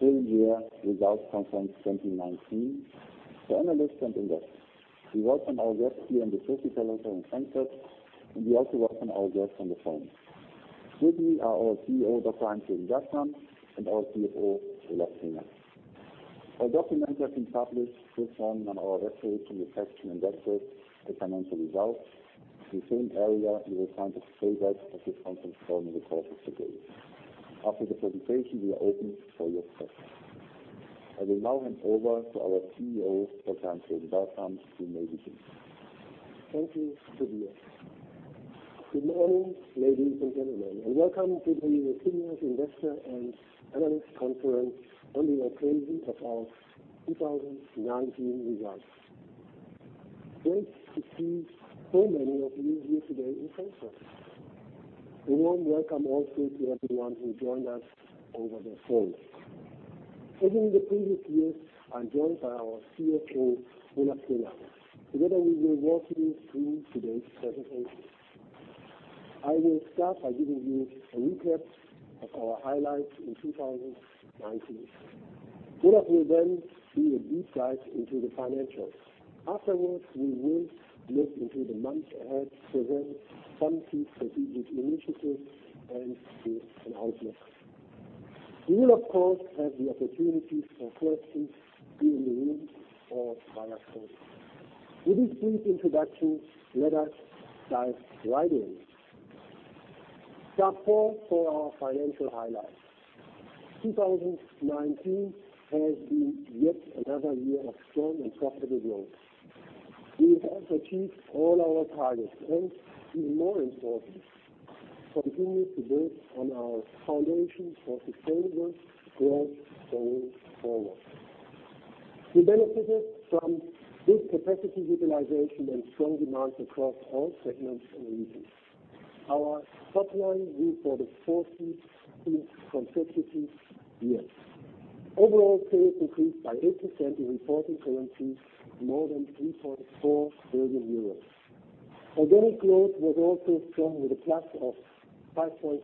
-full year results conference 2019 for analysts and investors. We welcome our guests here in the center in Frankfurt, and we also welcome our guests on the phone. With me are our CEO, Dr. Heinz-Jürgen Bertram, and our CFO, Olaf Klinger. All documents have been published this morning on our website for the attention investors, the financial results. The same area you will find a playback of this conference call in the course of the day. After the presentation, we are open for your questions. I will now hand over to our CEO, Dr. Heinz-Jürgen Bertram. You may begin. Thank you, Tobias. Good morning, ladies and gentlemen, and welcome to the Symrise Investor and Analyst Conference on the occasion of our 2019 results. Great to see so many of you here today in Frankfurt. A warm welcome also to everyone who joined us over the phone. As in the previous years, I am joined by our CFO, Olaf Klinger. Together, we will walk you through today's presentation. I will start by giving you a recap of our highlights in 2019. Olaf will then do a deep dive into the financials. Afterwards, we will look into the months ahead, present some key strategic initiatives, and give an outlook. We will, of course, have the opportunity for questions here in the room or via phone. With this brief introduction, let us dive right in. Chart four for our financial highlights. 2019 has been yet another year of strong and profitable growth. We have achieved all our targets and even more important, continued to build on our foundation for sustainable growth going forward. We benefited from good capacity utilization and strong demands across all segments and regions. Our top line grew for the 14th consecutive years. Overall sales increased by 8% in reported currency, more than 3.4 billion euros. Organic growth was also strong with a plus of 5.7%.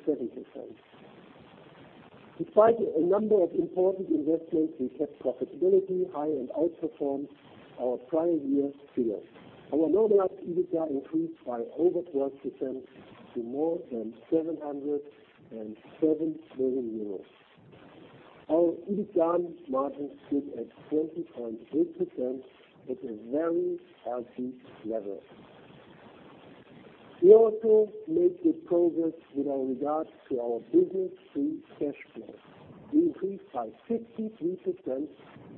Despite a number of important investments, we kept profitability high and outperformed our prior year figures. Our normalized EBITDA increased by over 12% to more than 707 million euros. Our EBITDA margin stood at 20.8% at a very healthy level. We also made good progress with regards to our business free cash flow. We increased by 63%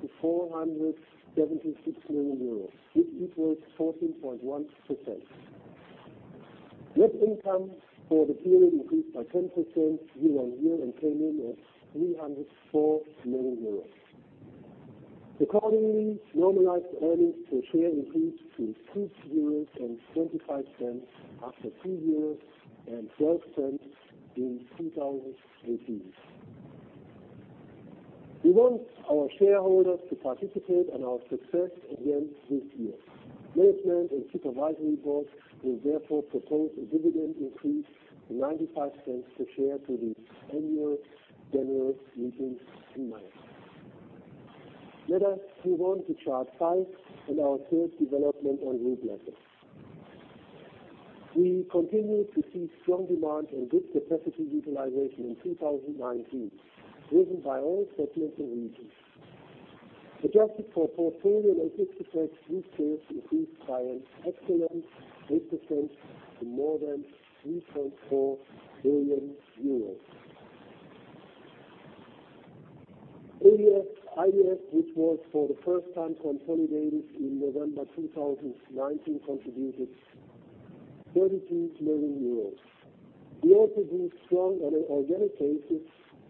to 476 million euros, which equals 14.1%. Net income for the period increased by 10% year-on-year and came in at 304 million euros. Accordingly, normalized earnings per share increased to 2.25 euros after 2.12 euros in 2018. We want our shareholders to participate in our success again this year. Management and Supervisory Board will therefore propose a dividend increase to EUR 0.95 to share to the Annual General Meeting in May. Let us move on to chart five and our sales development on group level. We continued to see strong demand and good capacity utilization in 2019, driven by all segments and regions. Adjusted for portfolio and fixed effects, group sales increased by an excellent 8% to more than 3.4 billion euros. IDF, which was for the first time consolidated in November 2019, contributed EUR 32 million. We also grew strong on an organic basis,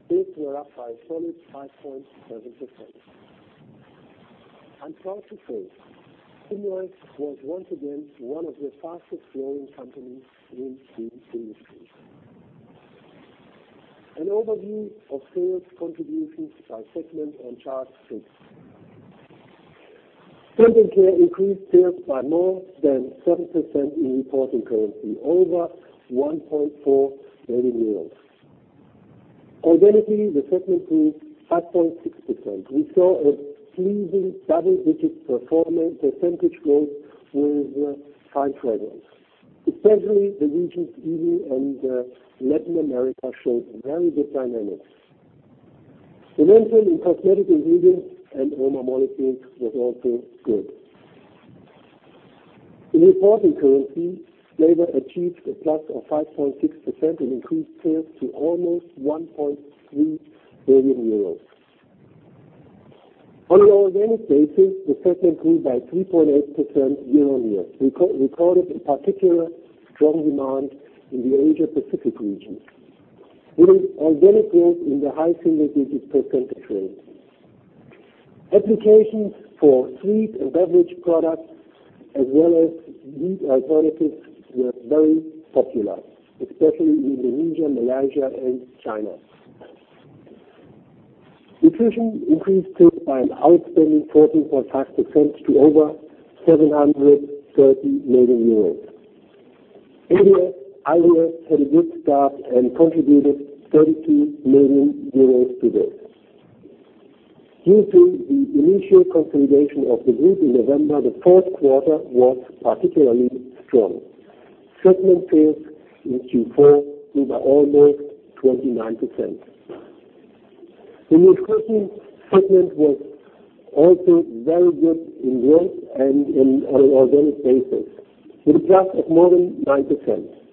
8% up by a solid 5.7%. I'm proud to say Symrise was once again one of the fastest growing companies in this industry. An overview of sales contributions by segment on chart six. Scent & Care increased sales by more than 7% in reported currency, over 1.4 billion euros. Organically, the segment grew 5.6%. We saw a pleasing double-digit percentage growth with fine fragrance. Especially the regions EU and Latin America showed very good dynamics. Demand in cosmetic ingredients and aroma molecules was also good. In reported currency, Flavor achieved a plus of 5.6% and increased sales to almost 1.3 billion euros. On an organic basis, the segment grew by 3.8% year-over-year. We recorded a particular strong demand in the Asia-Pacific region with an organic growth in the high single-digit percentage range. Applications for sweet and beverage products as well as meat alternatives were very popular, especially in Indonesia, Malaysia, and China. Nutrition increased sales by an outstanding 14.5% to over 730 million euros. ADF had a good start and contributed 32 million euros to this. Due to the initial consolidation of the group in November, the fourth quarter was particularly strong. Segment sales in Q4 grew by almost 29%. The Nutrition segment was also very good in growth and on an organic basis, with a growth of more than 9%.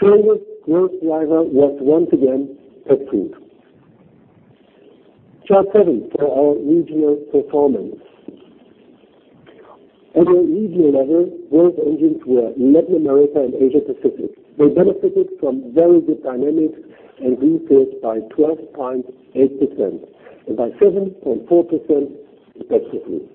Farther growth driver was once again Pet Food. Chart seven for our regional performance. At a regional level, growth engines were Latin America and Asia Pacific. They benefited from very good dynamics and grew sales by 12.8% and by 7.4% in Pet Food.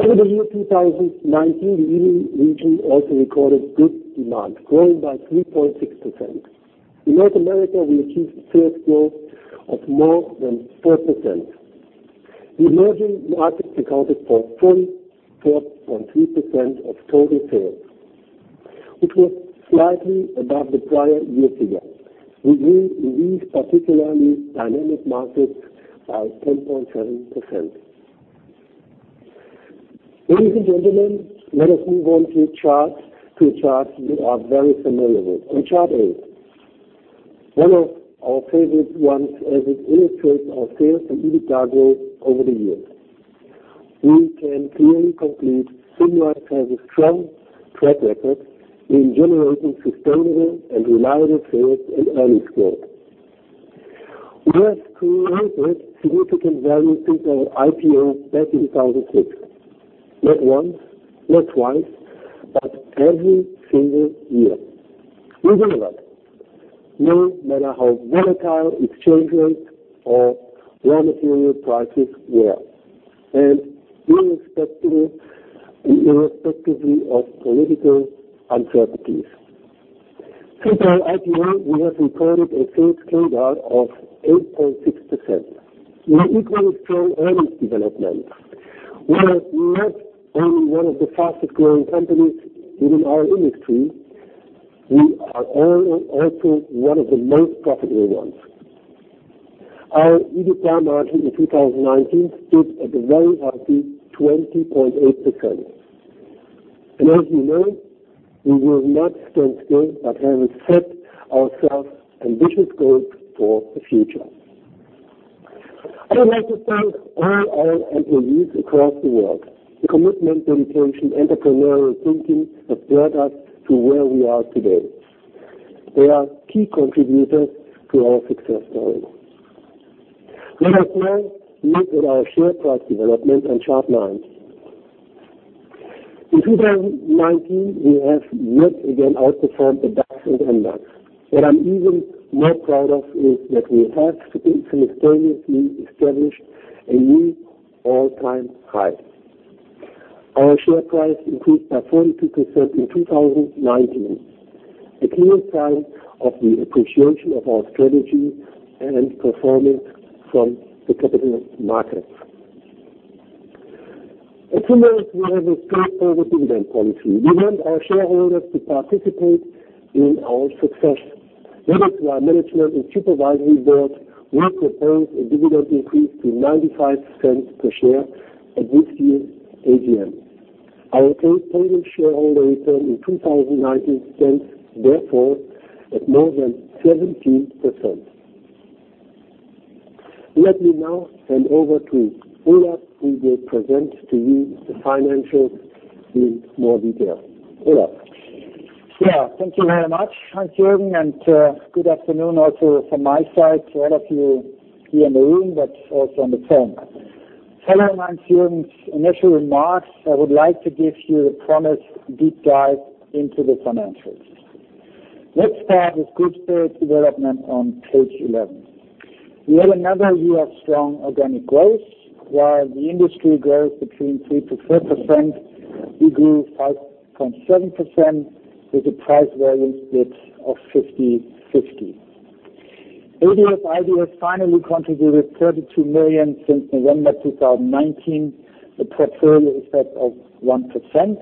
Over the year 2019, the EU region also recorded good demand, growing by 3.6%. In North America, we achieved sales growth of more than 4%. Emerging markets accounted for 44.3% of total sales, which was slightly above the prior year figure. We grew in these particularly dynamic markets by 10.7%. Ladies and gentlemen, let us move on to a chart you are very familiar with. On chart eight, one of our favorite ones as it illustrates our sales and EBITDA growth over the years. We can clearly conclude Symrise has a strong track record in generating sustainable and reliable sales and earnings growth. We have created significant value since our IPO back in 2006. Not once, not twice, but every single year. Irrelevant. No matter how volatile exchange rates or raw material prices were, and irrespectively of political uncertainties. Since our IPO, we have enjoyed a sales compound annual growth rate of 8.6%. We have equally strong earnings development. We are not only one of the fastest-growing companies within our industry, we are also one of the most profitable ones. Our EBITDA margin in 2019 stood at a very healthy 20.8%. As you know, we will not stand still but have set ourselves ambitious goals for the future. I would like to thank all our employees across the world. The commitment, dedication, entrepreneurial thinking have brought us to where we are today. They are key contributors to our success story. Let us now look at our share price development on chart nine. In 2019, we have yet again outperformed the DAX index. What I'm even more proud of is that we have simultaneously established a new all-time high. Our share price increased by 42% in 2019, a clear sign of the appreciation of our strategy and performance from the capital markets. At Symrise, we have a straightforward dividend policy. We want our shareholders to participate in our success. Therefore, our management and supervisory board will propose a dividend increase to 0.95 per share at this year's AGM. Our total shareholder return in 2019 stands, therefore, at more than 17%. Let me now hand over to Olaf, who will present to you the financials in more detail. Olaf. Yeah. Thank you very much, Heinz-Jürgen, and good afternoon also from my side to all of you here in the room, but also on the phone. Following Heinz-Jürgen's initial remarks, I would like to give you the promised deep dive into the financials. Let's start with group sales development on page 11. We had another year of strong organic growth. While the industry grows between 3%-4%, we grew 5.7% with a price-volume split of 50/50. ADF/IDF finally contributed 32 million since November 2019, a portfolio effect of 1%.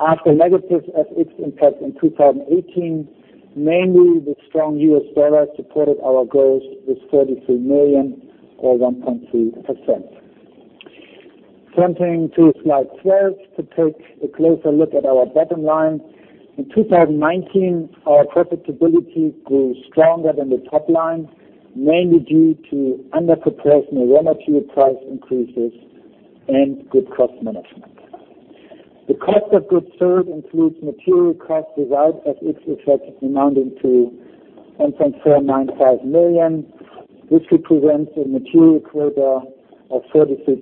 After negative FX impact in 2018, mainly the strong U.S. dollar supported our growth with $33 million or 1.3%. Turning to slide 12 to take a closer look at our bottom line. In 2019, our profitability grew stronger than the top line, mainly due to under-proportional raw material price increases and good cost management. The cost of goods sold includes material cost derived FX effects amounting to 1.495 million, which represents a material quota of 33.9%,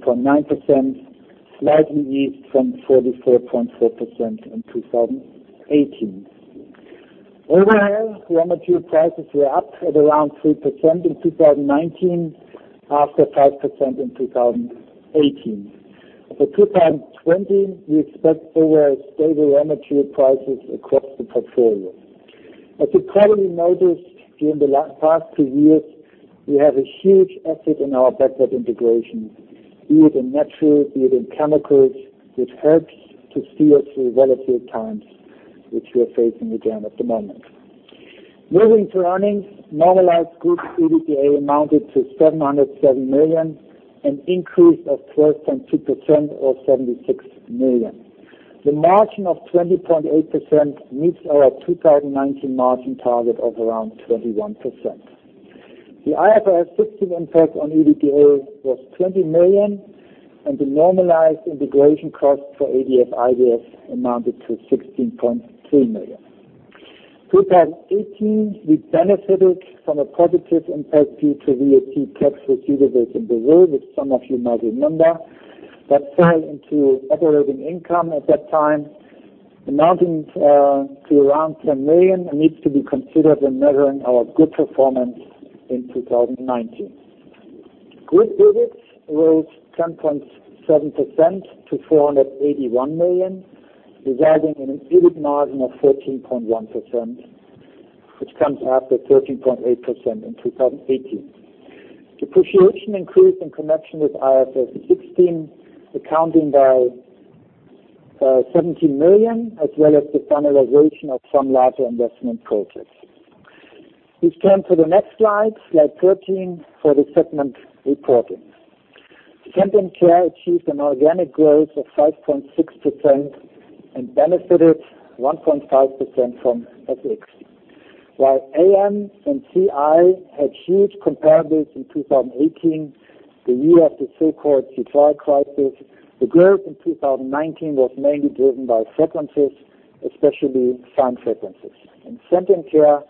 slightly off from 34.4% in 2018. Overall, raw material prices were up at around 3% in 2019 after 5% in 2018. For 2020, we expect overall stable raw material prices across the portfolio. As you probably noticed during the past two years, we have a huge asset in our backward integration, be it in natural, be it in chemicals, which helps to see us through volatile times, which we are facing again at the moment. Moving to earnings, normalized group EBITDA amounted to 707 million, an increase of 12.2% or 76 million. The margin of 20.8% meets our 2019 margin target of around 21%. The IFRS 16 impact on EBITDA was 20 million, the normalized integration cost for ADF/IDF amounted to 16.3 million. 2018, we benefited from a positive impact due to VAT tax receivable in Brazil, which some of you might remember. That fell into operating income at that time, amounting to around 10 million and needs to be considered when measuring our group performance in 2019. Group EBIT rose 10.7% to 481 million, resulting in an EBIT margin of 13.1%, which comes after 13.8% in 2018. Depreciation increased in connection with IFRS 16, accounting by 17 million, as well as the finalization of some larger investment projects. We turn to the next slide 13, for the segment reporting. Scent & Care achieved an organic growth of 5.6% and benefited 1.5% from FX. While AM and CI had huge comparables in 2018, the year of the so-called citral crisis, the growth in 2019 was mainly driven by fragrances, especially fine fragrances. In Scent & Care,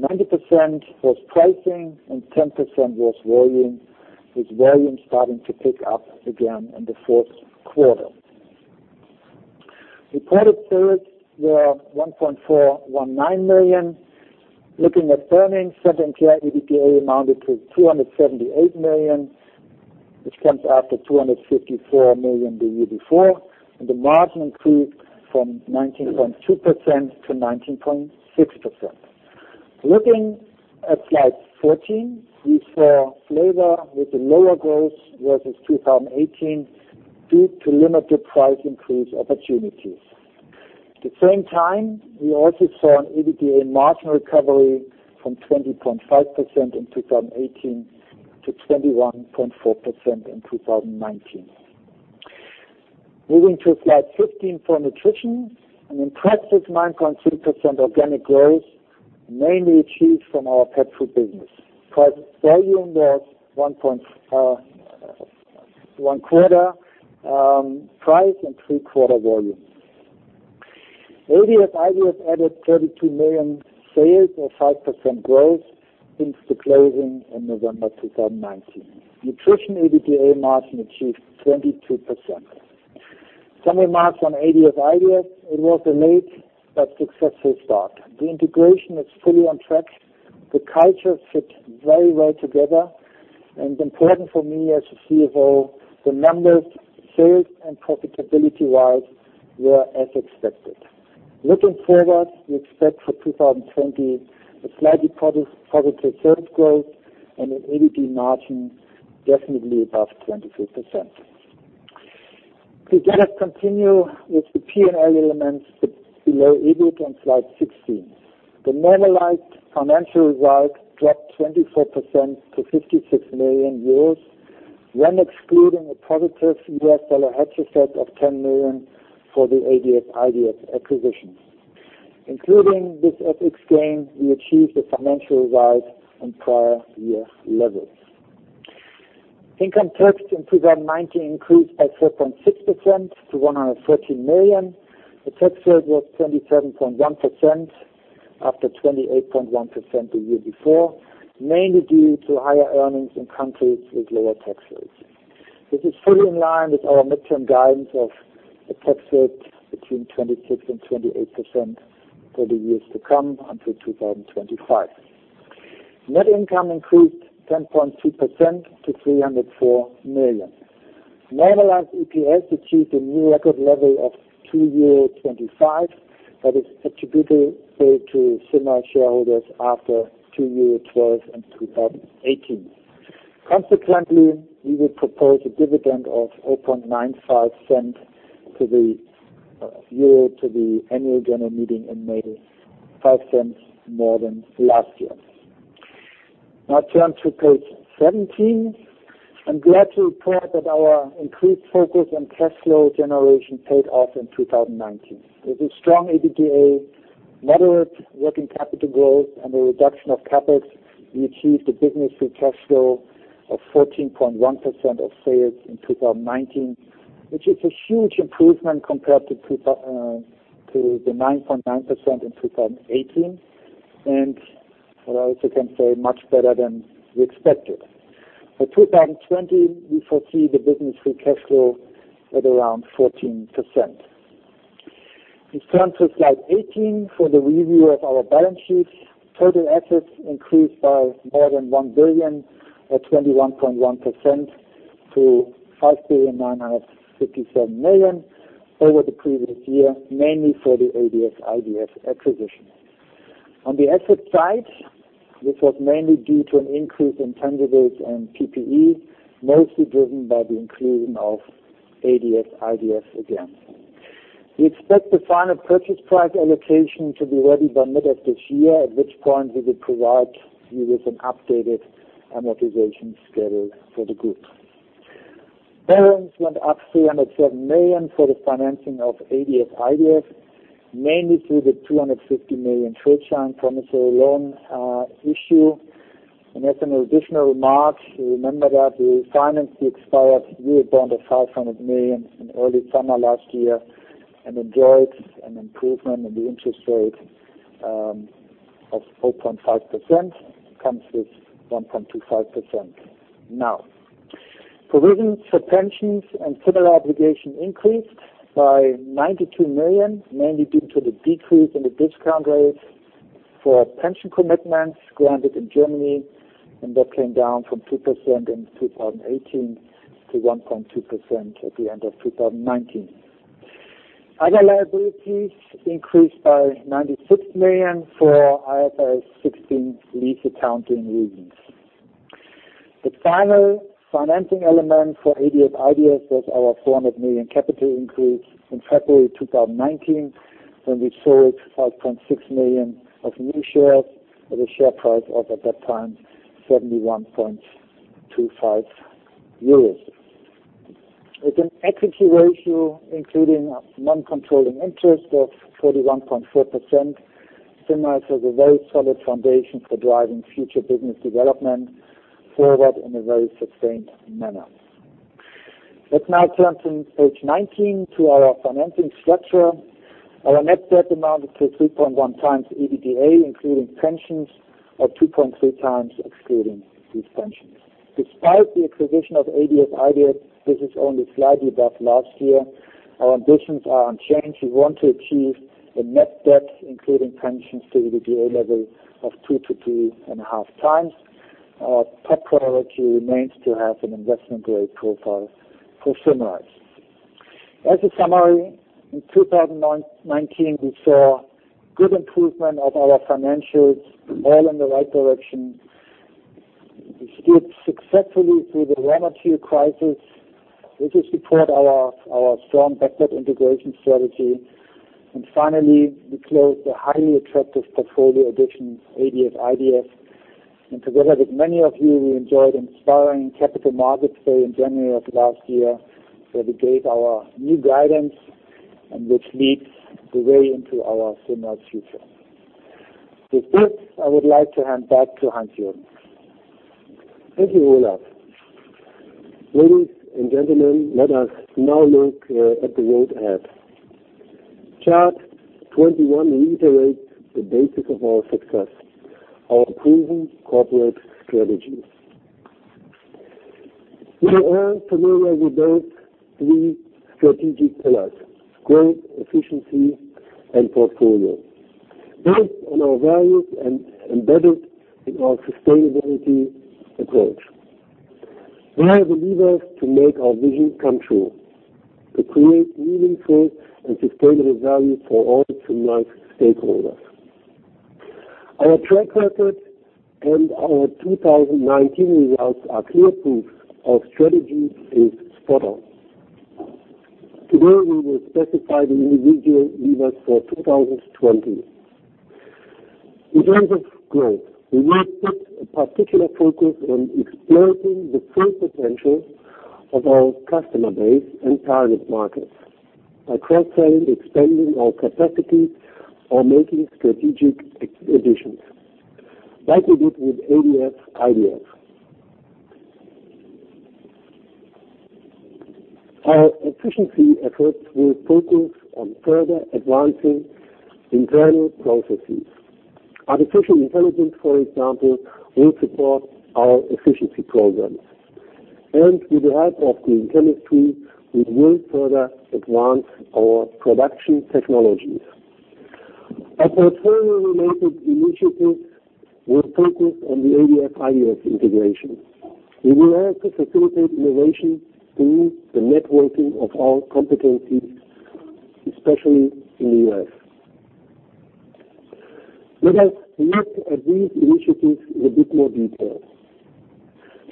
90% was pricing and 10% was volume, with volume starting to pick up again in the fourth quarter. Reported sales were 1.419 million. Looking at earnings, Scent & Care EBITDA amounted to 278 million, which comes after 254 million the year before, and the margin increased from 19.2%-19.6%. Looking at slide 14, we saw Flavor with a lower growth versus 2018 due to limited price increase opportunities. At the same time, we also saw an EBITDA margin recovery from 20.5% in 2018 to 21.4% in 2019. Moving to slide 15 for Nutrition, an impressive 9.3% organic growth, mainly achieved from our pet food business. Price volume was one quarter price and three-quarter volume. ADF/IDF added 32 million sales or 5% growth since the closing in November 2019. Nutrition EBITDA margin achieved 22%. Some remarks on ADF/IDF. It was a late but successful start. The integration is fully on track. The cultures fit very well together. Important for me as the CFO, the numbers, sales and profitability-wise, were as expected. Looking forward, we expect for 2020 a slightly positive sales growth and an EBITDA margin definitely above 23%. We continue with the P&L elements below EBIT on slide 16. The normalized financial result dropped 24% to 56 million euros when excluding a positive U.S. dollar hedge effect of $10 million for the ADF/IDF acquisition. Including this FX gain, we achieved the financial results on prior year levels. Income tax in 2019 increased by 4.6% to 113 million. The tax rate was 27.1% after 28.1% the year before, mainly due to higher earnings in countries with lower tax rates. This is fully in line with our midterm guidance of a tax rate between 26% and 28% for the years to come until 2025. Net income increased 10.2% to 304 million. Normalized EPS achieved a new record level of 2.25 that is attributable to Symrise shareholders after 2.12 in 2018. Consequently, we will propose a dividend of 0.95 to the Annual General Meeting in May, 0.05 more than last year. Now turn to page 17. I'm glad to report that our increased focus on cash flow generation paid off in 2019. With a strong EBITDA, moderate working capital growth, and a reduction of CapEx, we achieved a business free cash flow of 14.1% of sales in 2019, which is a huge improvement compared to the 9.9% in 2018, and I also can say much better than we expected. By 2020, we foresee the business free cash flow at around 14%. We turn to slide 18 for the review of our balance sheet. Total assets increased by more than 1 billion or 21.1% to 5,957 million over the previous year, mainly for the ADF/IDF acquisition. On the asset side, this was mainly due to an increase in tangibles and PPE, mostly driven by the inclusion of ADF/IDF again. We expect the final purchase price allocation to be ready by mid of this year, at which point we will provide you with an updated amortization schedule for the group. Balance went up 307 million for the financing of ADF/IDF, mainly through the 250 million Schuldschein promissory loan issue. As an additional remark, remember that we financed the expired Eurobond of 500 million in early summer last year and enjoyed an improvement in the interest rate of 0.5% comes with 1.25% now. Provisions for pensions and similar obligations increased by 92 million, mainly due to the decrease in the discount rate for pension commitments granted in Germany. That came down from 2% in 2018 to 1.2% at the end of 2019. Other liabilities increased by 96 million for IFRS 16 lease accounting reasons. The final financing element for ADF/IDF was our 400 million capital increase in February 2019, when we sold 5.6 million of new shares at a share price of, at that time, 71.25 euros. With an equity ratio including non-controlling interest of 31.4%, Symrise has a very solid foundation for driving future business development forward in a very sustained manner. Let's now turn to page 19 to our financing structure. Our net debt amounted to 3.1x EBITDA, including pensions of 2.3x excluding these pensions. Despite the acquisition of ADF/IDF, this is only slightly above last year. Our ambitions are unchanged. We want to achieve a net debt, including pensions to EBITDA level of 2-3.5x. Our top priority remains to have an investment-grade profile for Symrise. As a summary, in 2019, we saw good improvement of our financials, all in the right direction. We steered successfully through the raw material crisis, which has supported our strong backward integration strategy. Finally, we closed a highly attractive portfolio addition, ADF/IDF. Together with many of you, we enjoyed inspiring Capital Markets Day in January of last year, where we gave our new guidance and which leads the way into our Symrise future. With this, I would like to hand back to Heinz-Jürgen. Thank you, Olaf. Ladies and gentlemen, let us now look at the road ahead. Chart 21 reiterates the basis of our success, our proven corporate strategies. You are all familiar with those three strategic pillars: growth, efficiency, and portfolio, based on our values and embedded in our sustainability approach. They are the levers to make our vision come true, to create meaningful and sustainable value for all Symrise stakeholders. Our track record and our 2019 results are clear proof our strategy is spot on. Today, we will specify the individual levers for 2020. In terms of growth, we will put a particular focus on exploiting the full potential of our customer base and target markets by cross-selling, expanding our capacity, or making strategic acquisitions like we did with ADF/IDF. Our efficiency efforts will focus on further advancing internal processes. Artificial intelligence, for example, will support our efficiency programs, and with the help of green chemistry, we will further advance our production technologies. Our portfolio-related initiatives will focus on the ADF/IDF integration. We will also facilitate innovation through the networking of our competencies, especially in the U.S. Let us look at these initiatives in a bit more detail.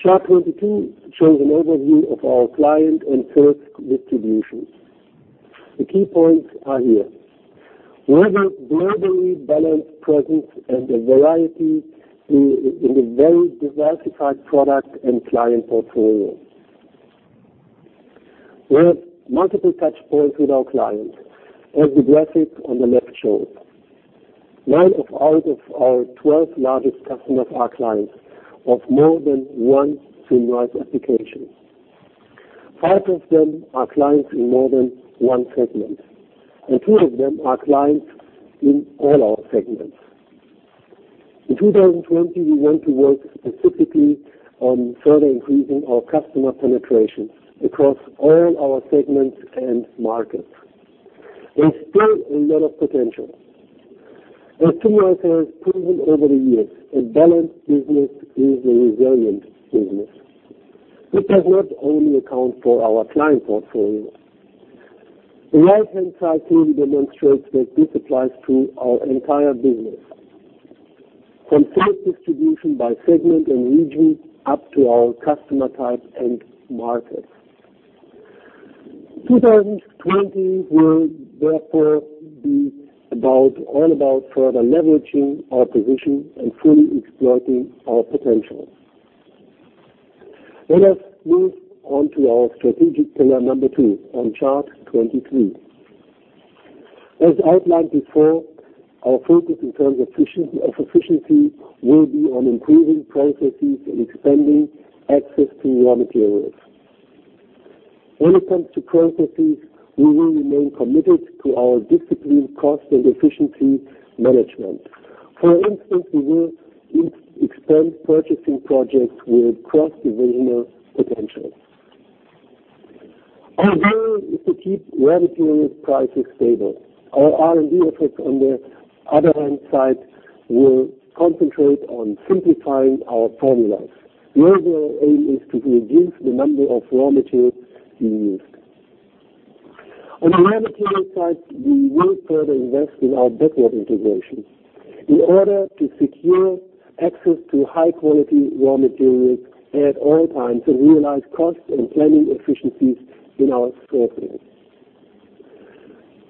Chart 22 shows an overview of our client and sales distributions. The key points are here. We have a globally balanced presence and a variety in the very diversified product and client portfolio. We have multiple touchpoints with our clients, as the graphic on the left shows. Nine out of our 12 largest customers are clients of more than one Symrise application. Five of them are clients in more than one segment, and two of them are clients in all our segments. In 2020, we want to work specifically on further increasing our customer penetration across all our segments and markets. There is still a lot of potential. As Symrise has proven over the years, a balanced business is a resilient business. This does not only account for our client portfolio. The right-hand side fully demonstrates that this applies to our entire business. From sales distribution by segment and region, up to our customer types and markets. 2020 will therefore be all about further leveraging our position and fully exploiting our potential. Let us move on to our strategic pillar number two on chart 23. As outlined before, our focus in terms of efficiency will be on improving processes and expanding access to raw materials. When it comes to processes, we will remain committed to our disciplined cost and efficiency management. For instance, we will expand purchasing projects with cross-divisional potential. Our goal is to keep raw materials prices stable. Our R&D efforts on the other hand side will concentrate on simplifying our formulas. The overall aim is to reduce the number of raw materials being used. On the raw material side, we will further invest in our backward integrations in order to secure access to high-quality raw materials at all times and realize cost and planning efficiencies in our supply chain.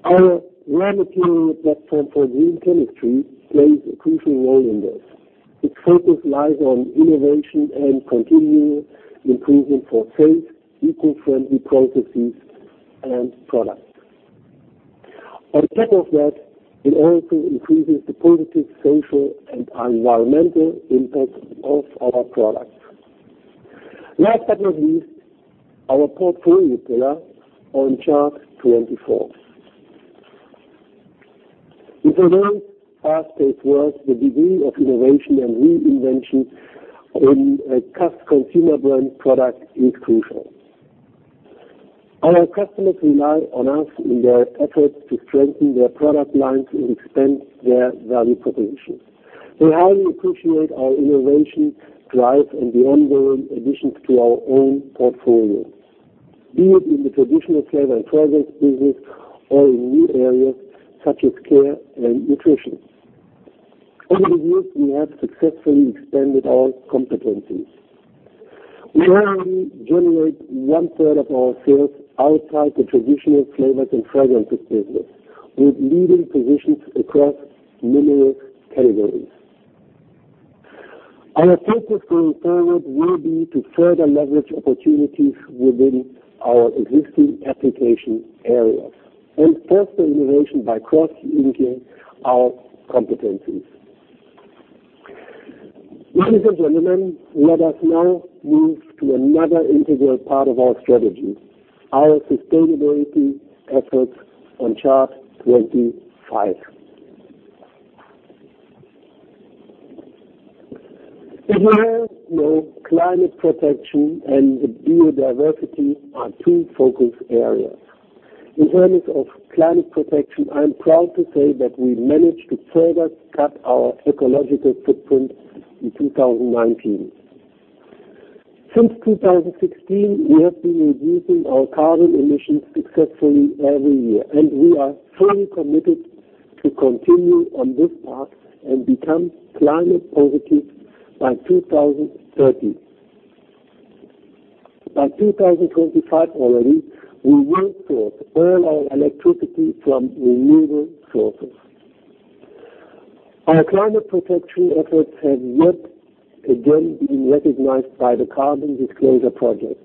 Our raw material platform for green chemistry plays a crucial role in this. Its focus lies on innovation and continual improvement for safe, eco-friendly processes and products. On top of that, it also increases the positive social and environmental impact of our products. Last but not least, our portfolio pillar on chart 24. In today's fast-paced world, the degree of innovation and reinvention in a consumer brand product is crucial. Our customers rely on us in their efforts to strengthen their product lines and expand their value propositions. They highly appreciate our innovation drive and the ongoing additions to our own portfolio, be it in the traditional flavor and fragrance business or in new areas such as Scent & Care and Nutrition. Over the years, we have successfully expanded our competencies. We now generate 1/3 of our sales outside the traditional flavors and fragrances business, with leading positions across numerous categories. Our focus going forward will be to further leverage opportunities within our existing application areas and foster innovation by cross-linking our competencies. Ladies and gentlemen, let us now move to another integral part of our strategy, our sustainability efforts on chart 25. As you well know, climate protection and biodiversity are two focus areas. In terms of climate protection, I am proud to say that we managed to further cut our ecological footprint in 2019. Since 2016, we have been reducing our carbon emissions successfully every year. We are fully committed to continue on this path and become climate positive by 2030. By 2025 already, we will source all our electricity from renewable sources. Our climate protection efforts have yet again been recognized by the Carbon Disclosure Project.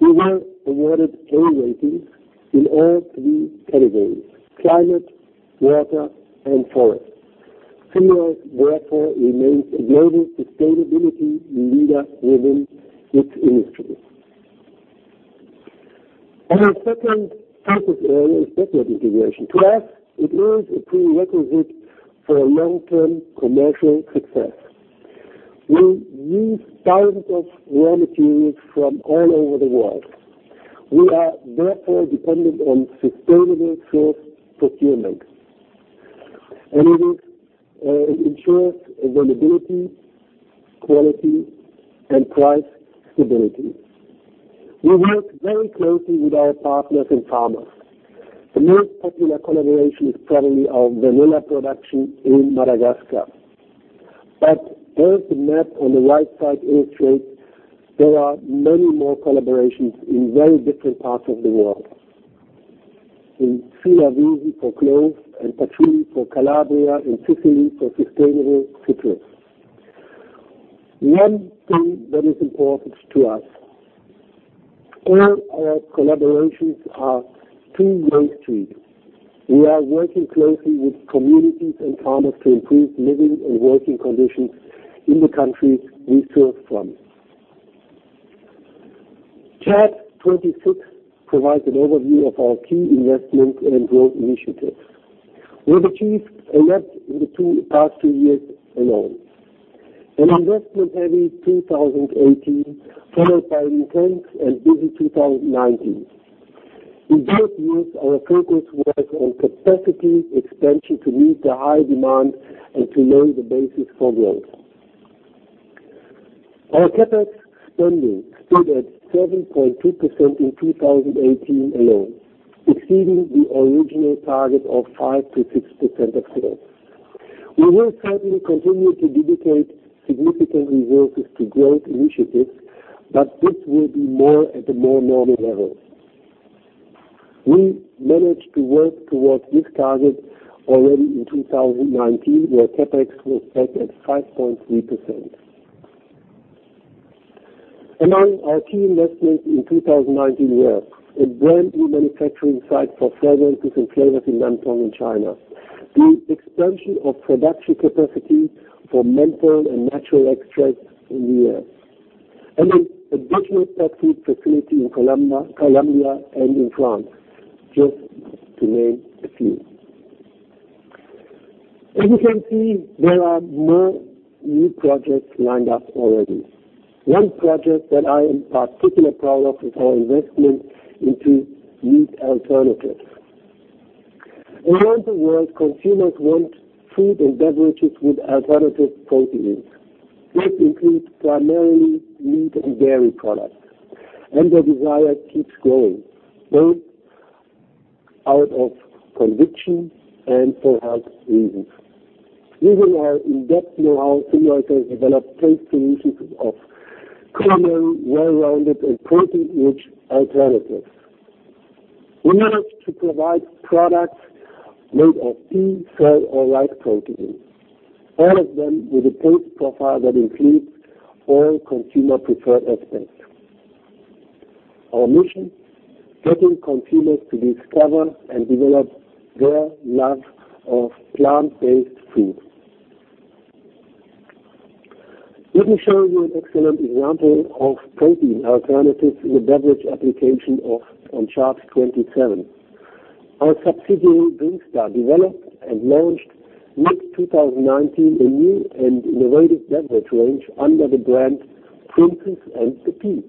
We were awarded A rating in all three categories: climate, water, and forest. Symrise therefore remains a global sustainability leader within its industry. Our second focus area is backward integration. To us, it is a prerequisite for long-term commercial success. We use thousands of raw materials from all over the world. We are therefore dependent on sustainable source procurement. It ensures availability, quality, and price stability. We work very closely with our partners and farmers. The most popular collaboration is probably our vanilla production in Madagascar. As the map on the right side illustrates, there are many more collaborations in very different parts of the world. In Sri Lanka for cloves, in Patchouli for Calabria, in Sicily for sustainable citrus. One thing that is important to us, all our collaborations are two-way streets. We are working closely with communities and farmers to improve living and working conditions in the countries we source from. Chart 26 provides an overview of our key investment and growth initiatives. We achieved a lot in the past two years alone. An investment-heavy 2018 followed by an intense and busy 2019. In both years, our focus was on capacity expansion to meet the high demand and to lay the basis for growth. Our CapEx spending stood at 7.2% in 2018 alone, exceeding the original target of 5%-6% of sales. We will certainly continue to dedicate significant resources to growth initiatives, but this will be more at a more normal level. We managed to work towards this target already in 2019, where CapEx was set at 5.3%. Among our key investments in 2019 were a brand-new manufacturing site for fragrances and flavors in Nantong in China, the expansion of production capacity for menthol and natural extracts in India, and a additional pet food facility in Colombia and in France, just to name a few. As you can see, there are more new projects lined up already. One project that I am particularly proud of is our investment into meat alternatives. Around the world, consumers want food and beverages with alternative proteins. This includes primarily meat and dairy products, and the desire keeps growing, both out of conviction and for health reasons. Using our in-depth know-how, Symrise has developed taste solutions of creamy, well-rounded, and protein-rich alternatives. We manage to provide products made of pea, soy, or rice protein, all of them with a taste profile that includes all consumer-preferred aspects. Our mission, getting consumers to discover and develop their love of plant-based food. Let me show you an excellent example of protein alternatives in the beverage application on chart 27. Our subsidiary, DrinkStar, developed and launched mid-2019 a new and innovative beverage range under the brand Princess and the Pea.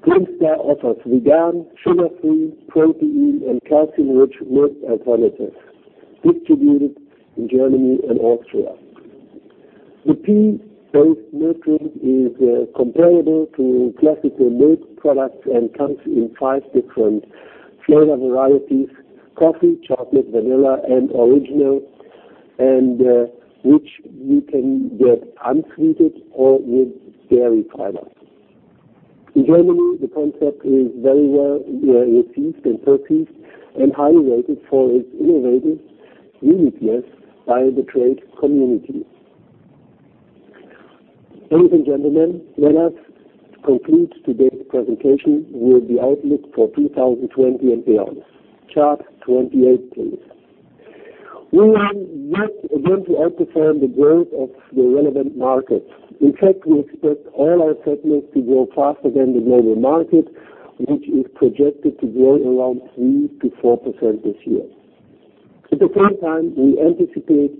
Princess offers vegan, sugar-free, protein, and calcium-rich milk alternatives distributed in Germany and Austria. The pea-based milk drink is comparable to classical milk products and comes in five different Flavor varieties: coffee, chocolate, Vanilla, and original, and which you can get unsweetened or with dairy products. In Germany, the concept is very well received and perceived and highly rated for its innovative uniqueness by the trade community. Ladies and gentlemen, let us conclude today's presentation with the outlook for 2020 and beyond. Chart 28, please. We are not going to outperform the growth of the relevant markets. In fact, we expect all our segments to grow faster than the global market, which is projected to grow around 3%-4% this year. At the same time, we anticipate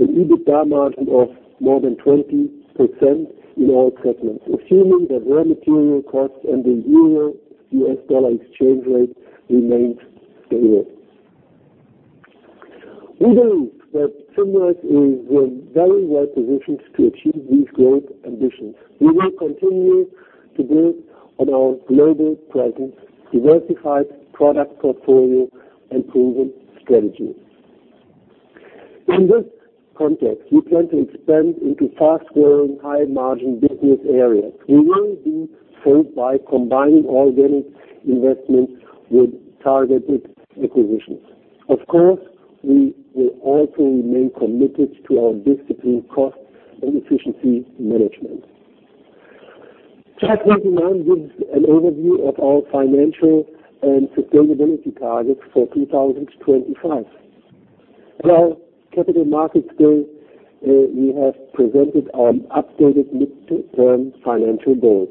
an EBITDA margin of more than 20% in all segments, assuming that raw material costs and the EUR-USD exchange rate remains stable. We believe that Symrise is very well-positioned to achieve these growth ambitions. We will continue to build on our global presence, diversified product portfolio, and proven strategy. In this context, we plan to expand into fast-growing, high-margin business areas. We will do so by combining organic investments with targeted acquisitions. Of course, we will also remain committed to our disciplined cost and efficiency management. Chart 29 gives an overview of our financial and sustainability targets for 2025. At our Capital Markets Day, we have presented our updated mid-term financial goals.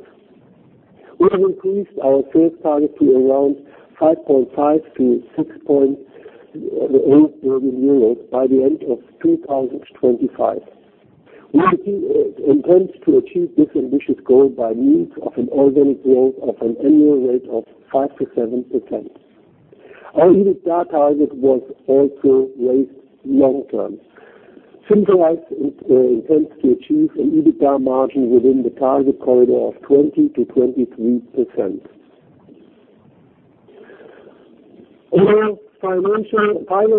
We have increased our sales target to around 5.5 billion-6.8 billion euros by the end of 2025. We intend to achieve this ambitious goal by means of an organic growth of an annual rate of 5%-7%. Our EBITDA target was also raised long-term. Symrise intends to achieve an EBITDA margin within the target corridor of 20%-23%. On our final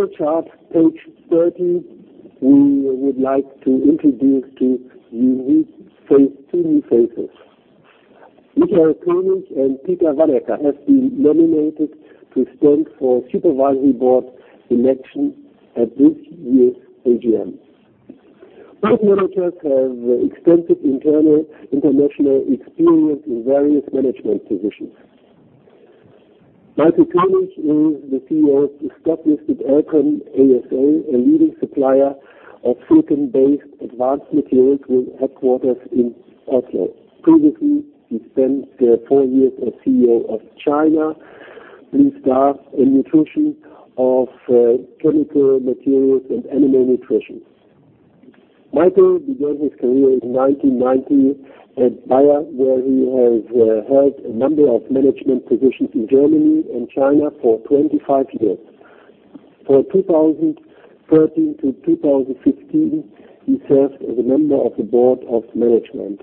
chart, page 30, we would like to introduce to you two new faces. Michael König and Peter Vanacker have been nominated to stand for supervisory board election at this year's AGM. Both managers have extensive international experience in various management positions. Michael König is the CEO of stock-listed Elkem ASA, a leading supplier of silicon-based advanced materials with headquarters in Oslo. Previously, he spent four years as CEO of China Bluestar, a nutrition of chemical materials and animal nutrition. Michael began his career in 1990 at Bayer, where he has held a number of management positions in Germany and China for 25 years. From 2013 to 2015, he served as a member of the board of management,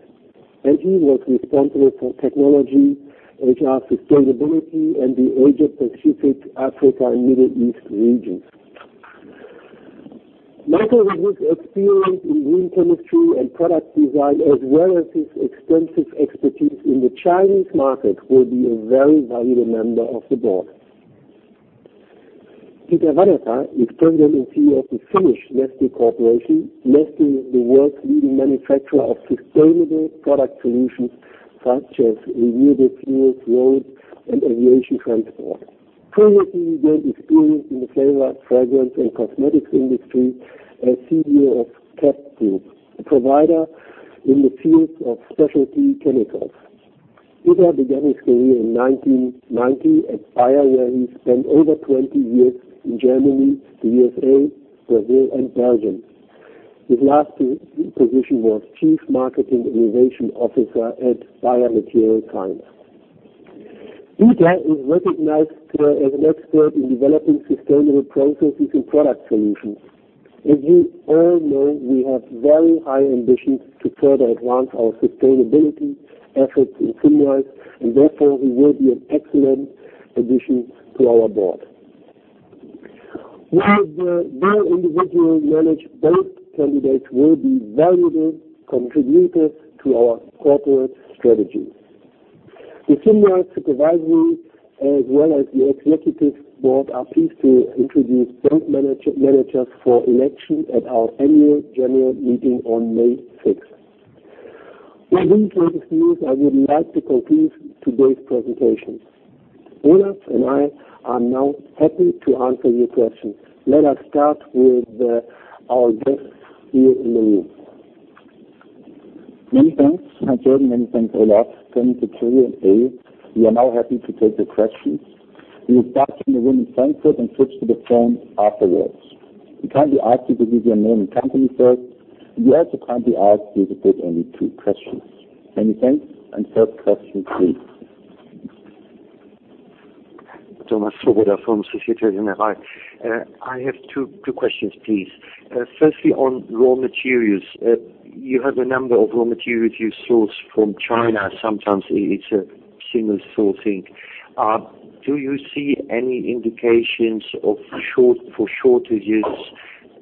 and he was responsible for technology, HR, sustainability, and the Asia-Pacific, Africa, and Middle East regions. Michael, with his experience in green chemistry and product design, as well as his extensive expertise in the Chinese market, will be a very valuable member of the board. Peter Vanacker is President and CEO of the Finnish Neste Corporation, Neste, the world's leading manufacturer of sustainable product solutions such as renewable fuels, road, and aviation transport. Previously, he gained experience in the flavor, fragrance, and cosmetics industry as CEO of Coperion, a provider in the field of specialty chemicals. Peter began his career in 1990 at Bayer, where he spent over 20 years in Germany, the U.S., Brazil, and Belgium. His last position was chief marketing innovation officer at Bayer MaterialScience. Peter is recognized as an expert in developing sustainable processes and product solutions. As you all know, we have very high ambitions to further advance our sustainability efforts in Symrise, and therefore he will be an excellent addition to our board. While both candidates will be valuable contributors to our corporate strategy. The Symrise Supervisory as well as the Executive Board are pleased to introduce both managers for election at our Annual General Meeting on May 6th. With these words of news, I would like to conclude today's presentation. Olaf and I are now happy to answer your questions. Let us start with our guests here in the room. Many thanks, Heinz-Jürgen. Many thanks, Olaf. Turning to Q&A, we are now happy to take the questions. We will start in the room in Frankfurt and switch to the phone afterwards. We kindly ask you to give your name and company first, and we also kindly ask you to put only two questions. Many thanks, and first question, please. Thomas Swoboda from Société Générale. I have two questions, please. Firstly, on raw materials. You have a number of raw materials you source from China. Sometimes it's a similar sourcing. Do you see any indications for shortages,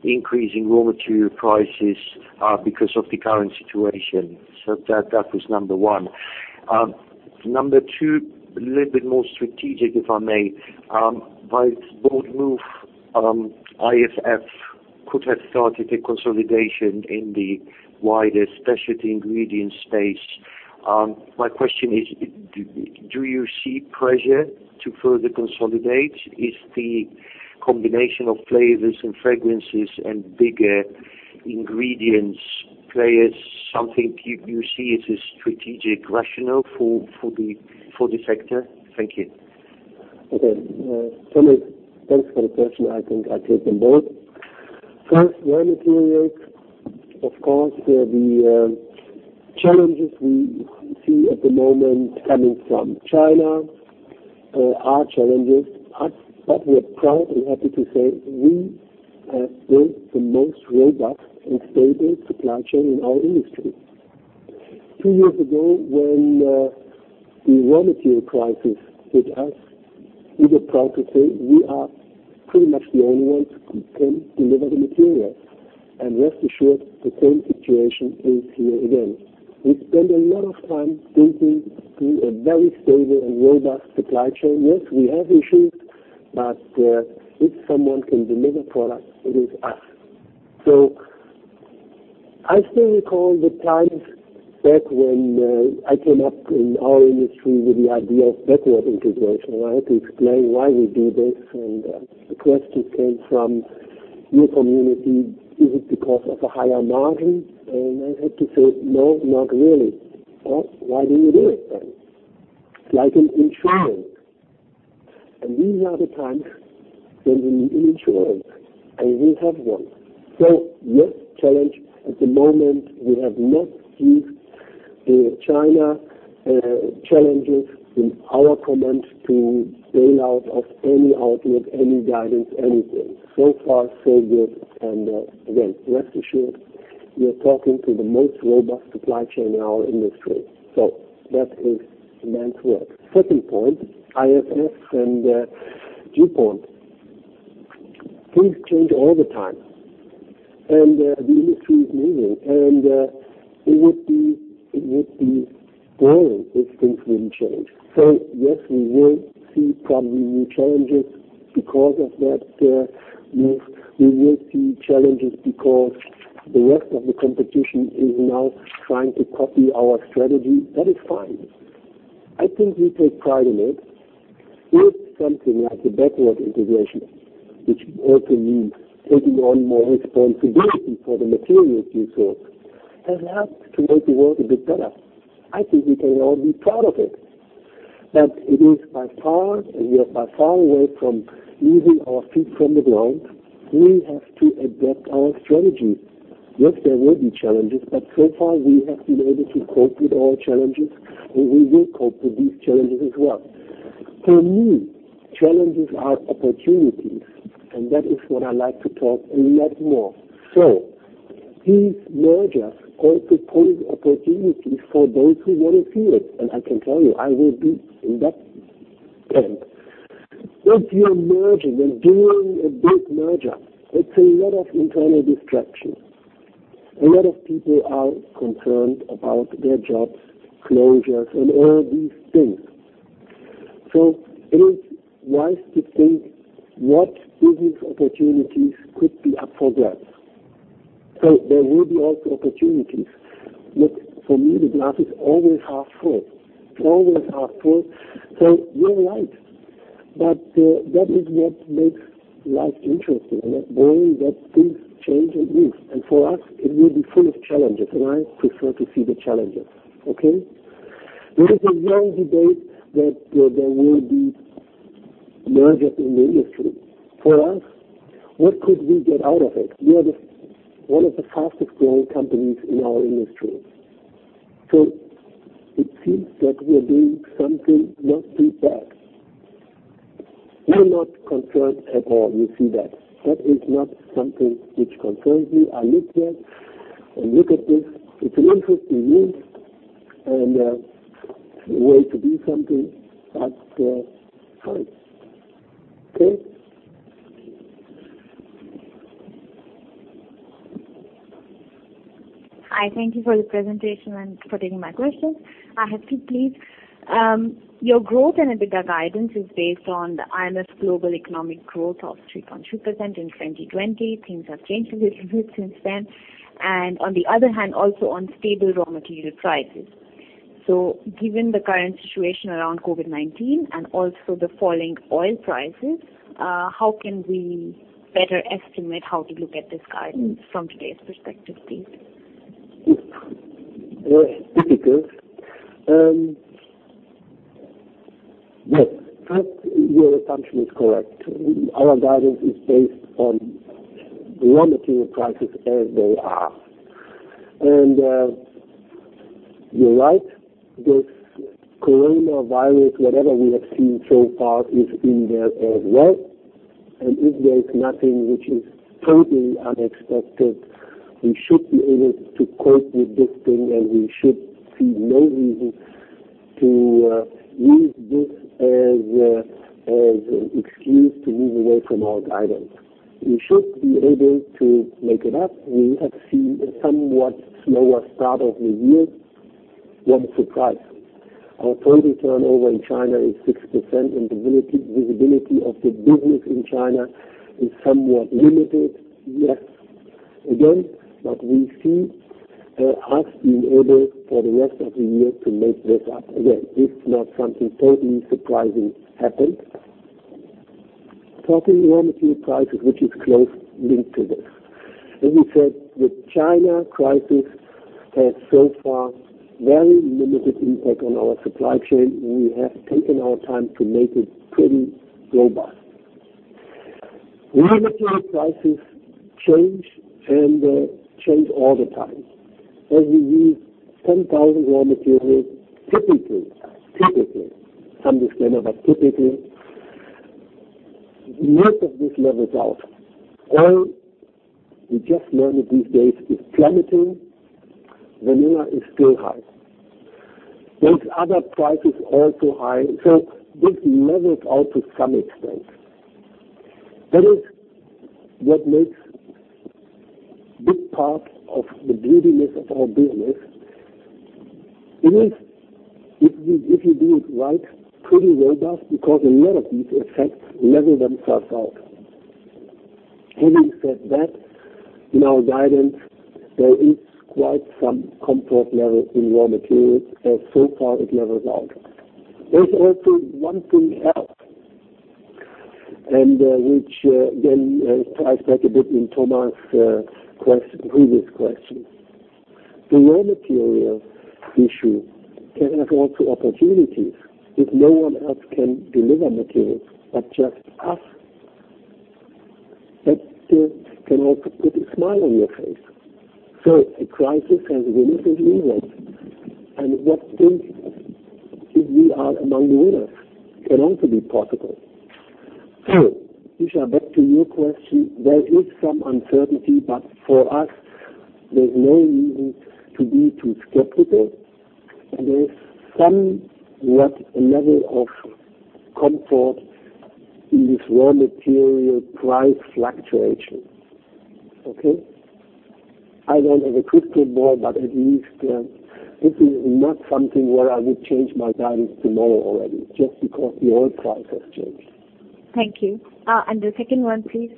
increasing raw material prices because of the current situation? That was number one. Number two, a little bit more strategic, if I may. By this bold move, IFF could have started a consolidation in the wider specialty ingredient space. My question is, do you see pressure to further consolidate? Is the combination of flavors and fragrances and bigger ingredients play as something you see it as strategic rationale for the sector? Thank you. Okay. Thomas, thanks for the question. I think I take them both. First, raw materials. Of course, the challenges we see at the moment coming from China are challenges, but we are proud and happy to say we have built the most robust and stable supply chain in our industry. Two years ago, when the raw material crisis hit us, we were proud to say we are pretty much the only ones who can deliver the materials. Rest assured, the same situation is here again. We spend a lot of time building a very stable and robust supply chain. Yes, we have issues, but if someone can deliver products, it is us. I still recall the times back when I came up in our industry with the idea of backward integration, and I had to explain why we do this, and the questions came from your community, "Is it because of a higher margin?" I had to say, "No, not really." "Why do you do it then?" It's like an insurance. These are the times when we need insurance, and we have one. Yes, challenge at the moment, we have not seen the China challenges in our comments to stay out of any outlook, any guidance, anything. Far, so good. Again, rest assured, you're talking to the most robust supply chain in our industry. That is meant well. Second point, IFF and DuPont. Things change all the time, and the industry is moving, and it would be wrong if things wouldn't change. Yes, we will see probably new challenges because of that move. We will see challenges because the rest of the competition is now trying to copy our strategy. That is fine. I think we take pride in it. With something like a backward integration, which also means taking on more responsibility for the materials you source and helps to make the world a bit better. I think we can all be proud of it. We are far away from losing our feet from the ground. We have to adapt our strategy. Yes, there will be challenges, but so far we have been able to cope with all challenges, and we will cope with these challenges as well. For me, challenges are opportunities, and that is what I like to talk a lot more. These mergers also pose opportunities for those who want to see it, and I can tell you, I will be in that camp. If you are merging and doing a big merger, it's a lot of internal distraction. A lot of people are concerned about their jobs, closures, and all these things. It is wise to think what business opportunities could be up for grabs. There will be also opportunities. Look, for me, the glass is always half full. It's always half full. You're right, but that is what makes life interesting and that boring, that things change and move. For us, it will be full of challenges, and I prefer to see the challenges. Okay? There is a long debate that there will be mergers in the industry. For us, what could we get out of it? We are one of the fastest-growing companies in our industry. It seems that we are doing something not too bad. We're not concerned at all, you see that. That is not something which concerns me. I look here and look at this. It's an interesting move and a way to do something that's fine. Okay? Hi. Thank you for the presentation and for taking my questions. I have two, please. Your growth and EBITDA guidance is based on the IMF's global economic growth of 3.2% in 2020. On the other hand, also on stable raw material prices. Given the current situation around COVID-19 and also the falling oil prices, how can we better estimate how to look at this guidance from today's perspective, please? Yes. Difficult. Yes. First, your assumption is correct. Our guidance is based on raw material prices as they are. You're right, this coronavirus, whatever we have seen so far, is in there as well, and if there is nothing which is totally unexpected, we should be able to cope with this thing, and we should see no reason to use this as an excuse to move away from our guidance. We should be able to make it up. We have seen a somewhat slower start of the year. One surprise. Our total turnover in China is 6%, and the visibility of the business in China is somewhat limited, yes. Again, we see us being able, for the rest of the year, to make this up again, if not something totally surprising happens. Talking raw material prices, which is closely linked to this. We said, the China crisis had so far very limited impact on our supply chain, and we have taken our time to make it pretty robust. Raw material prices change all the time. We use 10,000 raw materials, typically, most of these levels out. Oil, we just learned these days, is plummeting. Vanilla is still high. There's other prices also high. This levels out to some extent. That is what makes big part of the beauty myth of our business. It is, if you do it right, pretty robust because a lot of these effects level themselves out. Having said that, in our guidance, there is quite some comfort level in raw materials, so far it levels out. There's also one thing else, which ties back a bit in Thomas' previous question. The raw material issue can have also opportunities. If no one else can deliver materials but just us, that can also put a smile on your face. A crisis has winners and losers, and what if we are among the winners? Can also be possible. Isha, back to your question. There is some uncertainty, but for us, there's no reason to be too skeptical, and there is somewhat a level of comfort in this raw material price fluctuation. Okay? I don't have a crystal ball, but at least this is not something where I would change my guidance tomorrow already just because the oil price has changed. Thank you. The second one, please.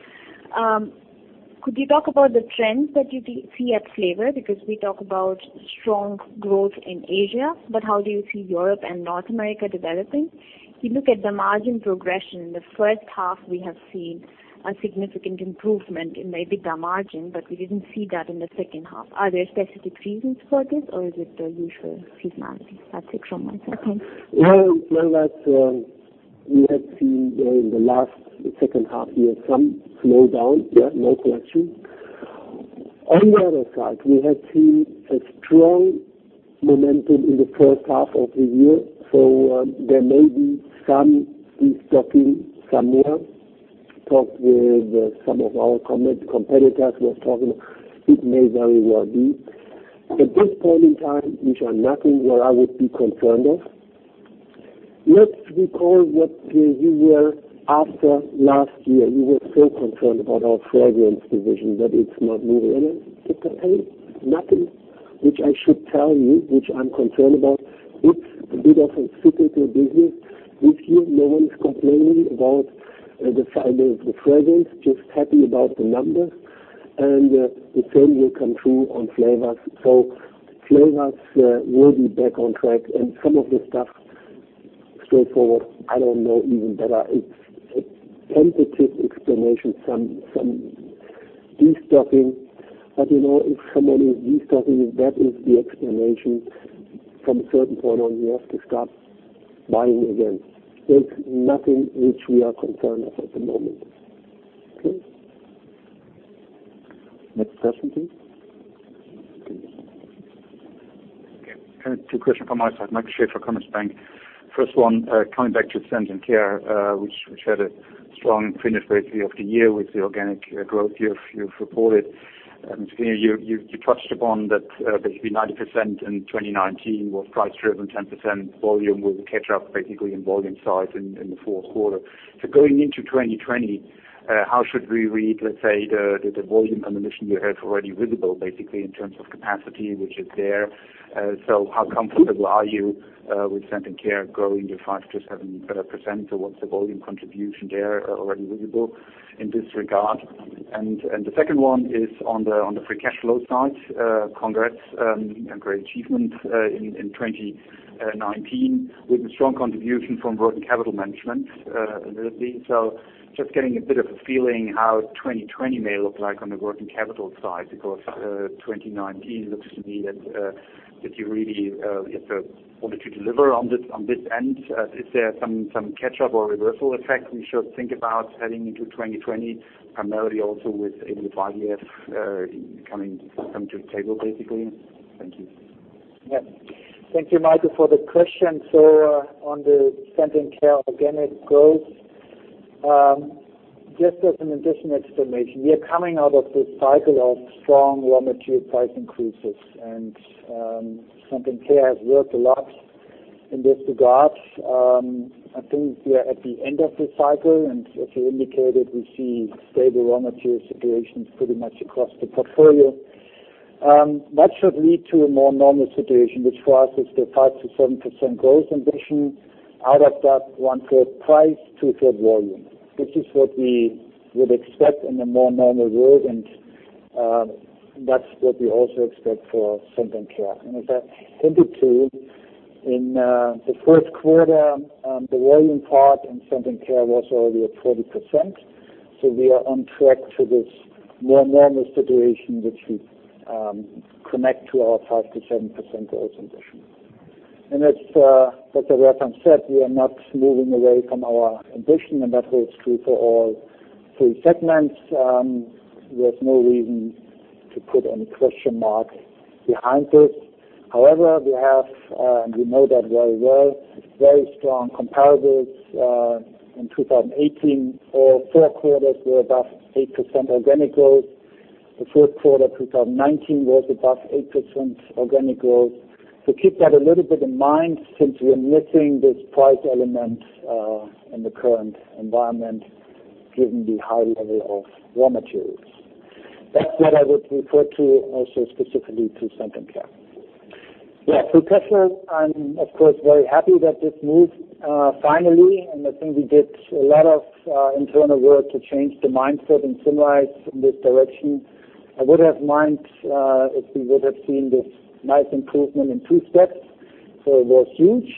Could you talk about the trends that you see at Flavor? We talk about strong growth in Asia, but how do you see Europe and North America developing? We look at the margin progression. In the first half, we have seen a significant improvement in maybe the margin, but we didn't see that in the second half. Are there specific reasons for this, or is it the usual seasonality? That's it from my side. Thank you. Well, we have seen in the last second half year some slowdown. Yeah, no question. On the other side, we have seen a strong momentum in the first half of the year. There may be some restocking somewhere. Talked with some of our competitors, we're talking it may very well be. At this point in time, which are nothing where I would be concerned of. Let's recall what we were after last year. We were so concerned about our Fragrance division, that it's not moving. I said, "Hey, nothing which I should tell you, which I'm concerned about. It's a bit of a cyclical business." This year, no one's complaining about the size of the fragrance, just happy about the numbers, and the same will come true on flavors. Flavors will be back on track, and some of the stuff, straightforward, I don't know even better. It's a tentative explanation, some de-stocking. If someone is de-stocking, that is the explanation. From a certain point on, we have to start buying again. It's nothing which we are concerned of at the moment. Okay? Next question, please. Okay. Two questions from my side. Michael Schäfer for Commerzbank. First one, coming back to Scent & Care, which had a strong finish of the year with the organic growth you've reported. You touched upon that 90% in 2019 was price-driven, 10% volume, with a catch-up in volume size in the fourth quarter. Going into 2020, how should we read the volume ammunition you have already visible in terms of capacity, which is there? How comfortable are you with Scent & Care growing to 5%-7%? What's the volume contribution there already visible in this regard? The second one is on the free cash flow side. Congrats, great achievement in 2019 with a strong contribution from working capital management. Just getting a bit of a feeling how 2020 may look like on the working capital side, because 2019 looks to me that If I wanted to deliver on this end, is there some catch-up or reversal effect we should think about heading into 2020, primarily also with ADF/IDF coming to the table, basically? Thank you. Yeah. Thank you, Michael, for the question. On the Scent & Care organic growth, just as an additional explanation, we are coming out of this cycle of strong raw material price increases, and Scent & Care has worked a lot in this regard. I think we are at the end of this cycle, and as you indicated, we see stable raw material situations pretty much across the portfolio. That should lead to a more normal situation, which for us is the 5%-7% growth ambition. Out of that one-third price, two-third volume. This is what we would expect in a more normal world, and that's what we also expect for Scent & Care. As I hinted to, in the first quarter, the volume part in Scent & Care was already at 40%. We are on track to this more normal situation, which we connect to our 5%-7% growth ambition. As Dr. Bertram said, we are not moving away from our ambition, and that holds true for all three segments. There's no reason to put any question mark behind this. However, we have, and we know that very well, very strong comparables. In 2018, all four quarters were above 8% organic growth. The fourth quarter 2019 was above 8% organic growth. Keep that a little bit in mind since we are missing this price element in the current environment, given the high level of raw materials. That's what I would refer to also specifically to Scent & Care. Yeah. For cash flow, I'm of course, very happy that this moved finally. I think we did a lot of internal work to change the mindset at Symrise in this direction. I would have mind if we would have seen this nice improvement in two steps. It was huge.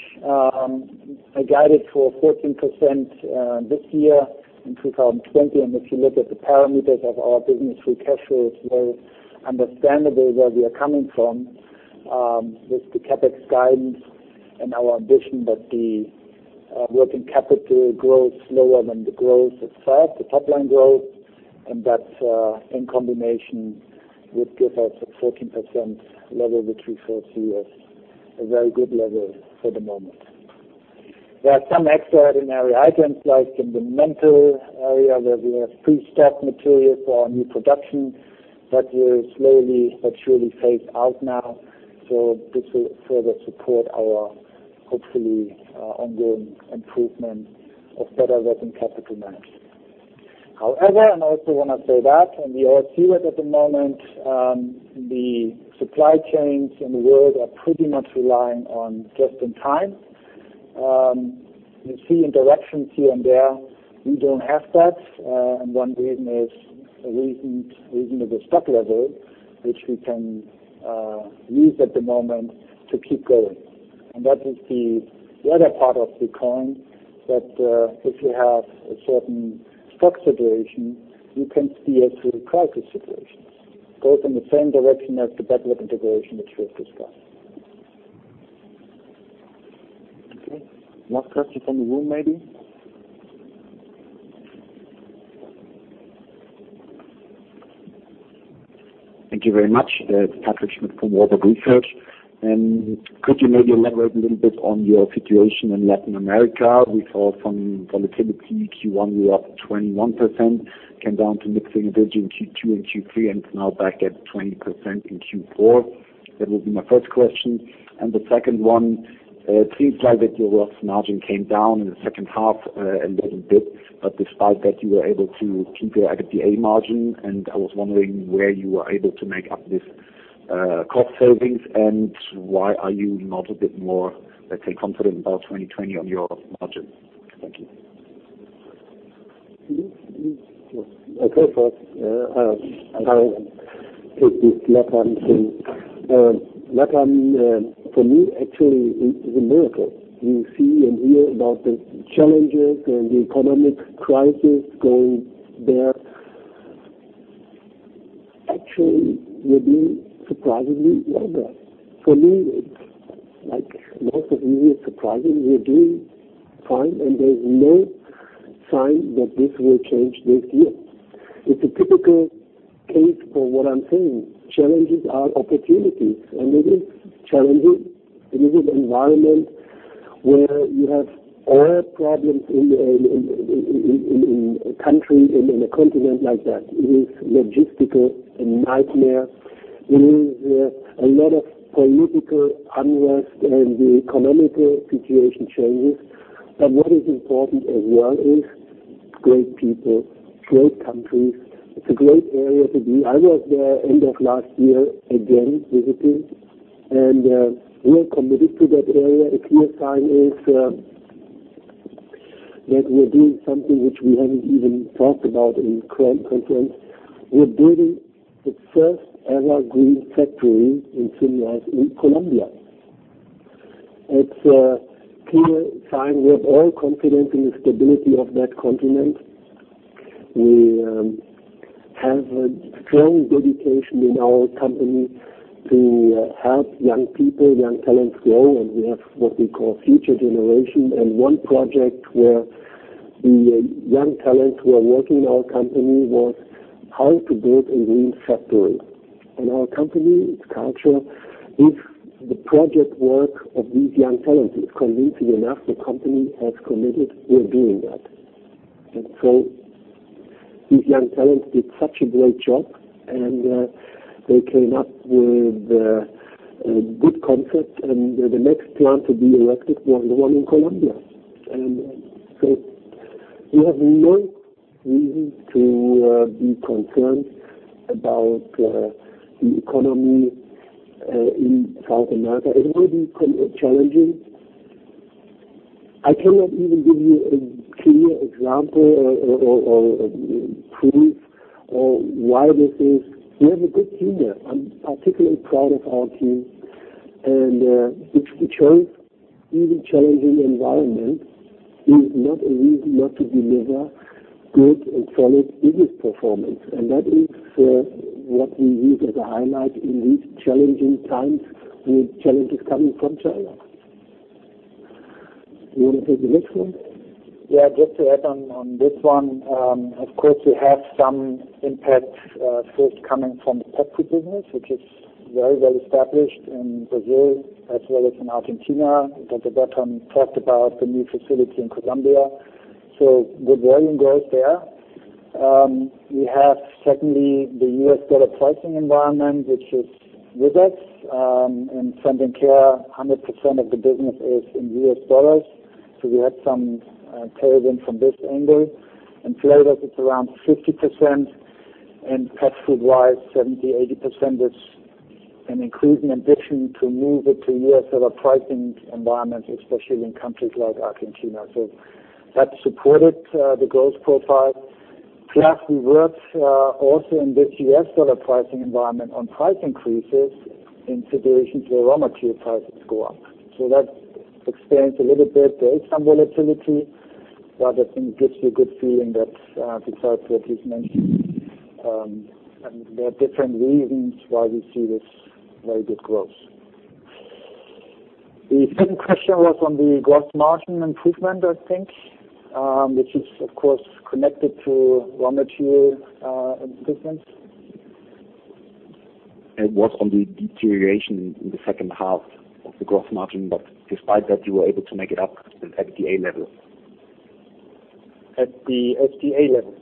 I guided for 14% this year in 2020. If you look at the parameters of our business free cash flow, is very understandable where we are coming from with the CapEx guidance and our ambition that the working capital grows slower than the growth itself, the top-line growth. That in combination would give us a 14% level, which we foresee as a very good level for the moment. There are some extraordinary items, like in the menthol area where we have pre-stock material for our new production, that will slowly but surely phase out now. This will further support our, hopefully, ongoing improvement of better working capital management. However, I also want to say that, we all see it at the moment, the supply chains in the world are pretty much relying on just-in-time. You see interactions here and there. We don't have that. One reason is a reasonable stock level, which we can use at the moment to keep going. That is the other part of the coin, that if you have a certain stock situation, you can steer through crisis situations. Goes in the same direction as the backward integration, which we have discussed. Okay. More questions from the room, maybe. Thank you very much. Patrick Schmidt from Warburg Research. Could you maybe elaborate a little bit on your situation in Latin America? We saw some volatility. Q1, you were up 21%, came down to mid-single digit in Q2 and Q3, and it is now back at 20% in Q4. That would be my first question. The second one, it seems like that your gross margin came down in the second half a little bit. Despite that, you were able to keep your EBITDA margin, and I was wondering where you were able to make up this cost savings, and why are you not a bit more, let's say, confident about 2020 on your margin? Thank you. Okay. First, I will take this Latin thing. Latin, for me, actually, is a miracle. You see and hear about the challenges and the economic crisis going there. Actually, we're doing surprisingly well there. For me, it's like most of you, surprising. We're doing fine, and there's no sign that this will change this year. It's a typical case for what I'm saying. Challenges are opportunities, and it is challenging. It is an environment where you have oil problems in a country, in a continent like that. It is a logistical nightmare. It is a lot of political unrest, and the economic situation changes. What is important as well is great people, great country. It's a great area to be. I was there end of last year again, visiting, and we are committed to that area. A clear sign is that we're doing something which we haven't even talked about in current conference. We're building the first-ever green factory in Symrise in Colombia. It's a clear sign we have all confidence in the stability of that continent. We have a strong dedication in our company to help young people, young talents grow, and we have what we call Future Generation. One project where the young talents who are working in our company was how to build a green factory. In our company, its culture, if the project work of these young talents is convincing enough, the company has committed, we're doing that. These young talents did such a great job, and they came up with a good concept, and the next plant to be erected was the one in Colombia. We have no reason to be concerned about the economy in South America. It will be challenging. I cannot even give you a clear example or proof of why this is. We have a good team there. I'm particularly proud of our team, and we chose even challenging environment is not a reason not to deliver good and solid business performance. That is what we use as a highlight in these challenging times, with challenges coming from China. You want to take the next one? Just to add on this one. Of course, we have some impacts first coming from the pet food business, which is very well established in Brazil as well as in Argentina. Dr. Bertram talked about the new facility in Colombia, so good volume growth there. We have, secondly, the U.S. dollar pricing environment, which is with us. In Scent & Care, 100% of the business is in US dollars. We had some tailwind from this angle. In Flavors, it's around 50%, and pet food-wise, 70%, 80% is an increase in addition to move it to US dollar pricing environment, especially in countries like Argentina. That supported the growth profile. Plus, we worked also in this US dollar pricing environment on price increases in situations where raw material prices go up. That explains a little bit. There is some volatility, but I think gives you a good feeling that the type that he's mentioned. There are different reasons why we see this very good growth. The second question was on the gross margin improvement, I think, which is, of course, connected to raw material difference. It was on the deterioration in the second half of the gross margin, but despite that, you were able to make it up at the EBITDA level. At the EBITDA level?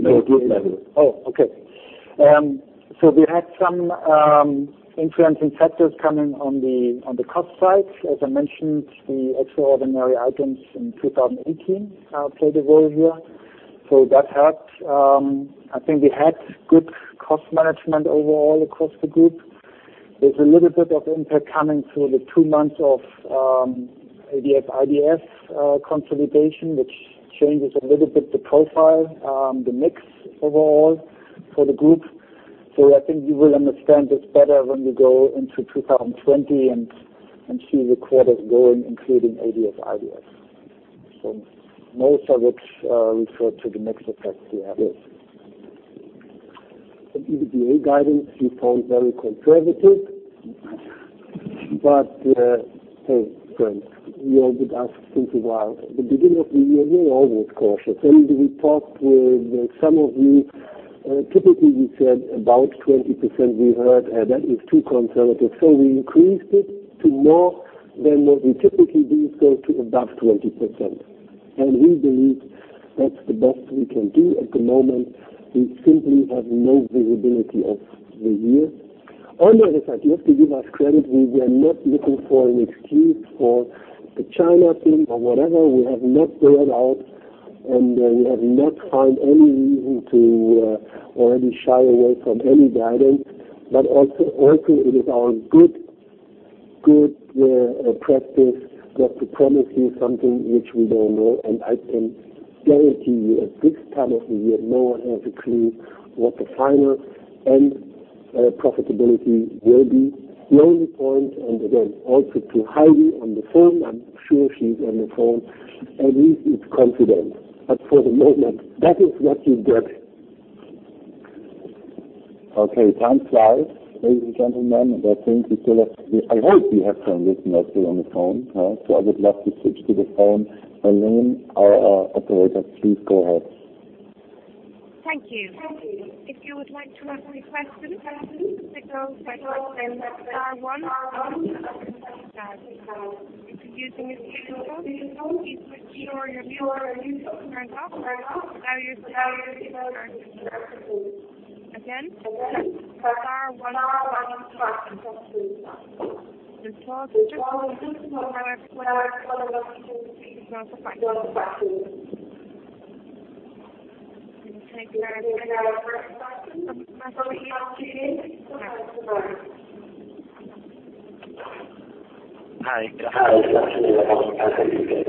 No, group level. Okay. We had some influencing factors coming on the cost side. As I mentioned, the extraordinary items in 2018 played a role here. That helped. I think we had good cost management overall across the group. There's a little bit of impact coming through the two months of ADF/IDF consolidation, which changes a little bit the profile, the mix overall for the group. I think you will understand this better when we go into 2020 and see the quarters going, including ADF/IDF. Most of it referred to the mix effect we have. The EBITDA guidance you found very conservative. Hey, friends, you all did ask since a while. The beginning of the year, we are always cautious. We talked with some of you. Typically, we said about 20%, we heard, that is too conservative, we increased it to more than what we typically do, to above 20%. We believe that's the best we can do at the moment. We simply have no visibility of the year. On the other side, you have to give us credit, we are not looking for an excuse for the China thing or whatever. We have not bailed out, we have not found any reason to already shy away from any guidance. Also, it is our good practice not to promise you something which we don't know, I can guarantee you, at this time of the year, no one has a clue what the final end profitability will be. The only point, again, also to Heidi on the phone, I'm sure she's on the phone, at least it's confident, but for the moment, that is what you get. Okay, time flies. Ladies and gentlemen, I hope we have some listeners still on the phone. I would love to switch to the phone. Elaine, our operator, please go ahead. Thank you. If you would like to ask a question, please signal by pressing star one on your touch pad. If you're using a speakerphone, please make sure your mute button is off so that your device is unmuted. Again, press star one on your touch pad. We're still adjusting some of our connections, so please be patient. Thank you again for your patience. We will take our first question from. Hi, this is actually the first time I've heard you say that.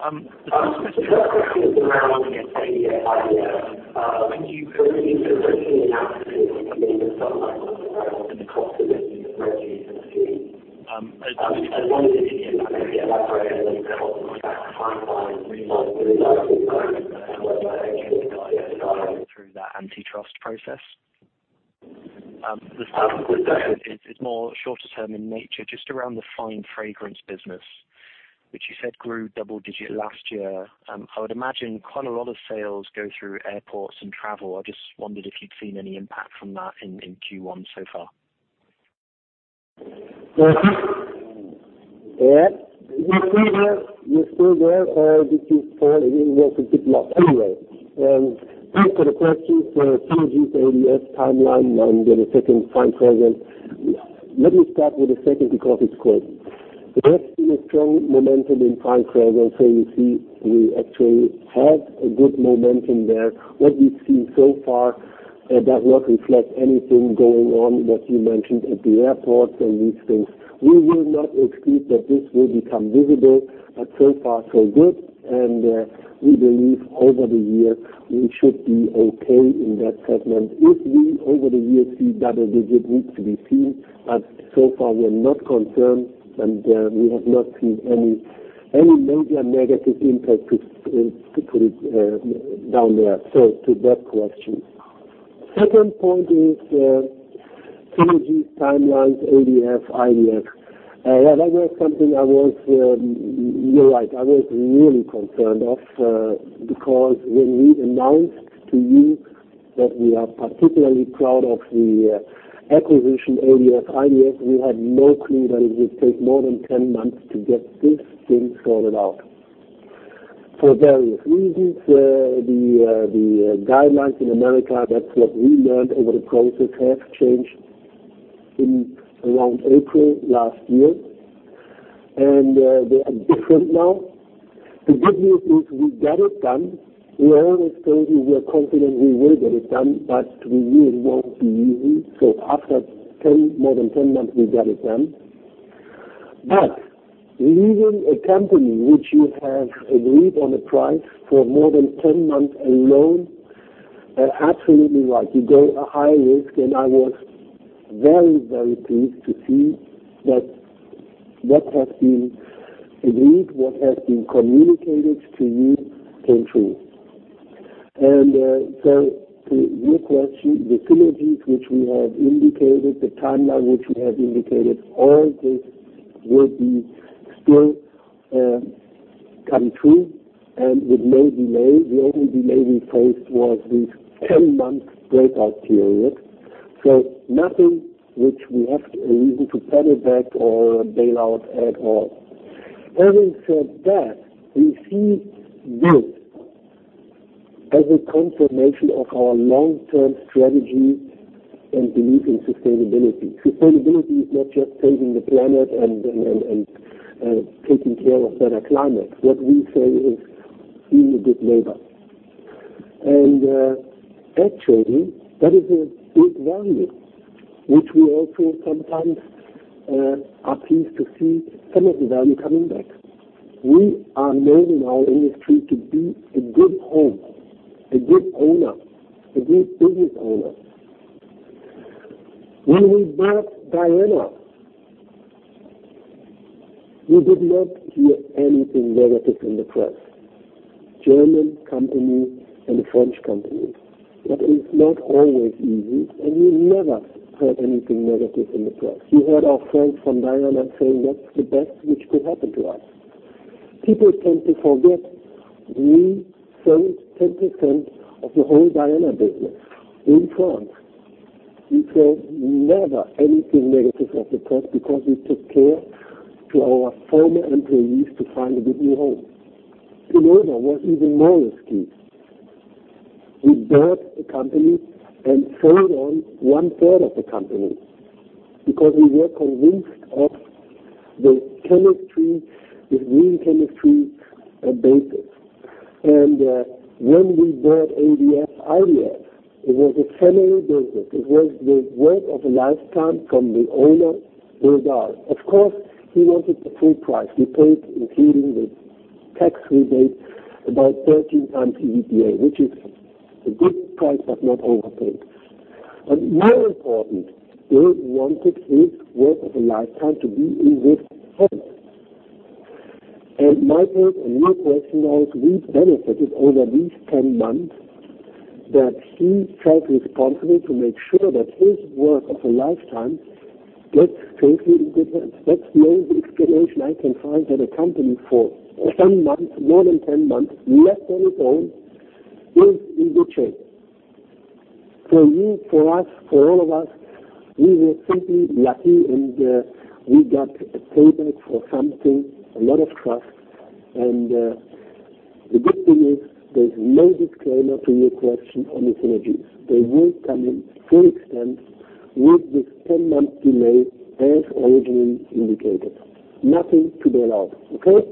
The first question is around ADF/IDF. When you originally announced it, I think you had some numbers around the cost savings that were anticipated. I was wondering if you could maybe elaborate a little bit on what that timeline really looks like and how much of that guidance is going through that antitrust process. The second is more shorter term in nature, just around the fine fragrance business, which you said grew double-digit last year. I would imagine quite a lot of sales go through airports and travel. I just wondered if you'd seen any impact from that in Q1 so far. You're still there? You're still there? Or did you fall in and out a bit? Anyway, thanks for the questions. Synergies, ADF/IDF timeline, the second, fine fragrance. Let me start with the second, because it's quick. We have seen a strong momentum in fine fragrance, you see we actually have a good momentum there. What we've seen so far does not reflect anything going on, what you mentioned at the airports and these things. We will not exclude that this will become visible, so far so good. We believe over the year we should be okay in that segment. If we, over the year, see double-digit needs to be seen, so far we are not concerned, we have not seen any major negative impact to put it down there. To that question. Second point is synergies, timelines, ADF/IDF. Yeah, that was something. You're right. I was really concerned of, because when we announced to you that we are particularly proud of the acquisition, ADF/IDF, we had no clue that it would take more than 10 months to get this thing sorted out. For various reasons, the guidelines in the U.S., that's what we learned over the process, have changed in around April last year, and they are different now. The good news is we got it done. We always told you we are confident we will get it done, but we really won't be easy. After more than 10 months, we got it done. Leaving a company which you have agreed on a price for more than 10 months alone, you're absolutely right. You go a high risk. I was very pleased to see that what has been agreed, what has been communicated to you came true. To your question, the synergies which we have indicated, the timeline which we have indicated, all this will be still come true and with no delay. The only delay we faced was this 10-month breakout period. Nothing which we have a reason to paddle back or bail out at all. Having said that, we see this as a confirmation of our long-term strategy and belief in sustainability. Sustainability is not just saving the planet and taking care of better climate. What we say is treating you with good labor. Actually, that is a big value, which we also sometimes are pleased to see some of the value coming back. We are known in our industry to be a good home, a good owner, a good business owner. When we bought Diana, we did not hear anything negative in the press. German company and French company. That is not always easy. We never heard anything negative in the press. We heard our friends from Diana saying, "That's the best which could happen to us." People tend to forget we sold 10% of the whole Diana business in France. We heard never anything negative from the press because we took care of our former employees to find a good new home. Pinova was even more risky. We bought the company and sold on one-third of the company because we were convinced of the green chemistry basis. When we bought ADF/IDF, it was a family business. It was the work of a lifetime from the owner, Bernard. Of course, he wanted the full price. We paid, including the tax rebate, about 13x EBITDA, which is a good price, but not overpaid. More important, he wanted his work of a lifetime to be in good hands. Michael, in your question was we benefited over these 10 months that he felt responsible to make sure that his work of a lifetime gets safely in good hands. That's the only explanation I can find that a company for some months, more than 10 months, left on its own is in good shape. We, for us, for all of us, we were simply lucky, and we got a payback for something, a lot of trust. The good thing is there's no disclaimer to your question on the synergies. They will come in full extent with this 10-month delay as originally indicated. Nothing to be allowed. Okay.